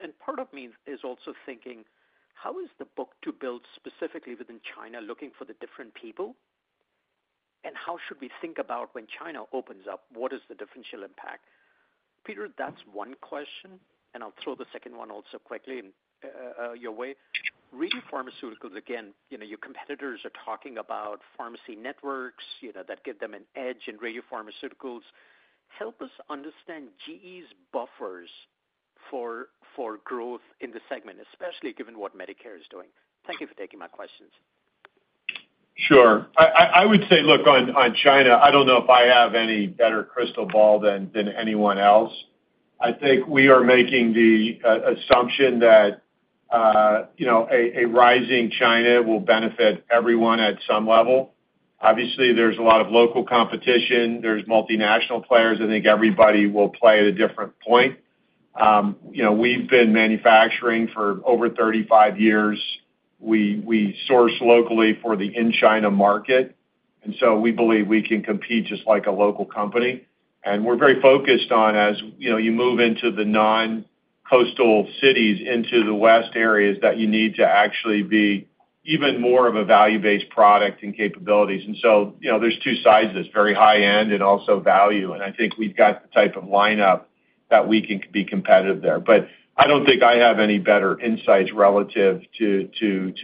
And part of me is also thinking, how is the book-to-bill specifically within China, looking for the different players? And how should we think about when China opens up, what is the differential impact? Peter, that's one question, and I'll throw the second one also quickly, your way. Radiopharmaceuticals, again, you know, your competitors are talking about pharmacy networks, you know, that give them an edge in radiopharmaceuticals. Help us understand GE's buffers for, for growth in the segment, especially given what Medicare is doing? Thank you for taking my questions. Sure. I would say, look, on China, I don't know if I have any better crystal ball than anyone else. I think we are making the assumption that, you know, a rising China will benefit everyone at some level. Obviously, there's a lot of local competition. There's multinational players. I think everybody will play at a different point. You know, we've been manufacturing for over 35 years. We source locally for the in China market, and so we believe we can compete just like a local company. And we're very focused on, as you know, you move into the non-coastal cities, into the west areas, that you need to actually be even more of a value-based product and capabilities. And so, you know, there's two sides to this, very high end and also value. I think we've got the type of lineup that we can be competitive there. I don't think I have any better insights relative to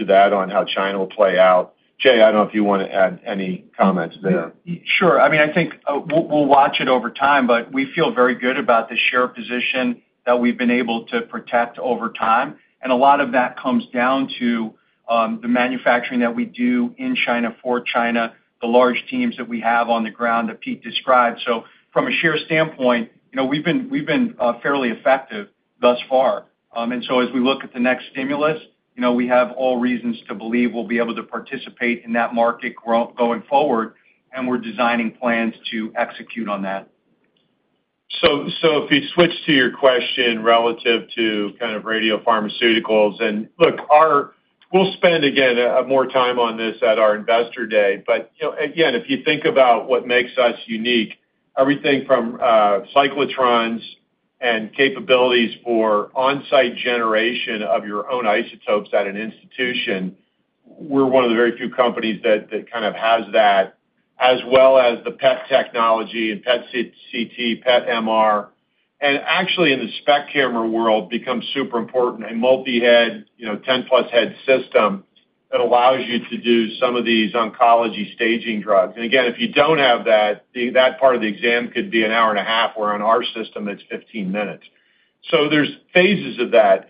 that on how China will play out. Jay, I don't know if you want to add any comments there. Sure. I mean, I think we'll watch it over time, but we feel very good about the share position that we've been able to protect over time. And a lot of that comes down to the manufacturing that we do in China, for China, the large teams that we have on the ground that Pete described. So from a share standpoint, you know, we've been fairly effective thus far. And so as we look at the next stimulus, you know, we have all reasons to believe we'll be able to participate in that market going forward, and we're designing plans to execute on that. So if you switch to your question relative to kind of radiopharmaceuticals, and look, we'll spend, again, more time on this at our Investor Day. But, you know, again, if you think about what makes us unique, everything from, cyclotrons and capabilities for on-site generation of your own isotopes at an institution, we're one of the very few companies that kind of has that, as well as the PET technology and PET CT, PET MR. And actually, in the SPECT camera world, becomes super important, a multi-head, you know, 10+ head system that allows you to do some of these oncology staging drugs. And again, if you don't have that, that part of the exam could be an hour and a half, where on our system, it's 15 minutes. So there's phases of that.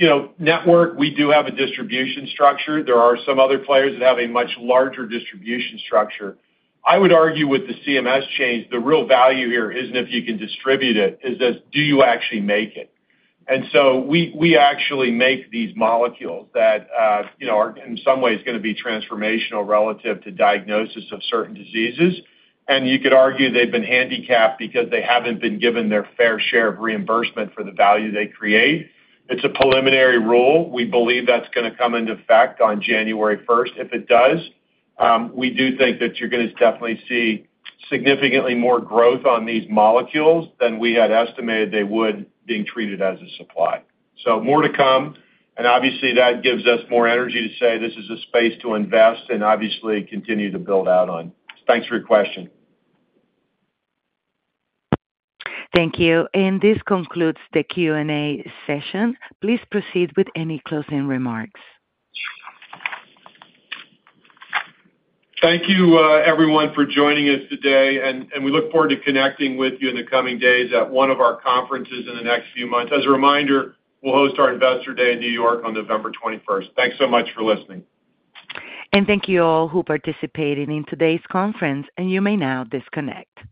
You know, network, we do have a distribution structure. There are some other players that have a much larger distribution structure. I would argue with the CMS change, the real value here isn't if you can distribute it, is just, do you actually make it? And so we actually make these molecules that, you know, are in some ways, gonna be transformational relative to diagnosis of certain diseases. And you could argue they've been handicapped because they haven't been given their fair share of reimbursement for the value they create. It's a preliminary rule. We believe that's gonna come into effect on January first. If it does, we do think that you're gonna definitely see significantly more growth on these molecules than we had estimated they would, being treated as a supply. More to come, and obviously, that gives us more energy to say this is a space to invest and obviously continue to build out on. Thanks for your question. Thank you. This concludes the Q&A session. Please proceed with any closing remarks. Thank you, everyone, for joining us today, and we look forward to connecting with you in the coming days at one of our conferences in the next few months. As a reminder, we'll host our Investor Day in New York on November 21st. Thanks so much for listening. Thank you all who participated in today's conference, and you may now disconnect.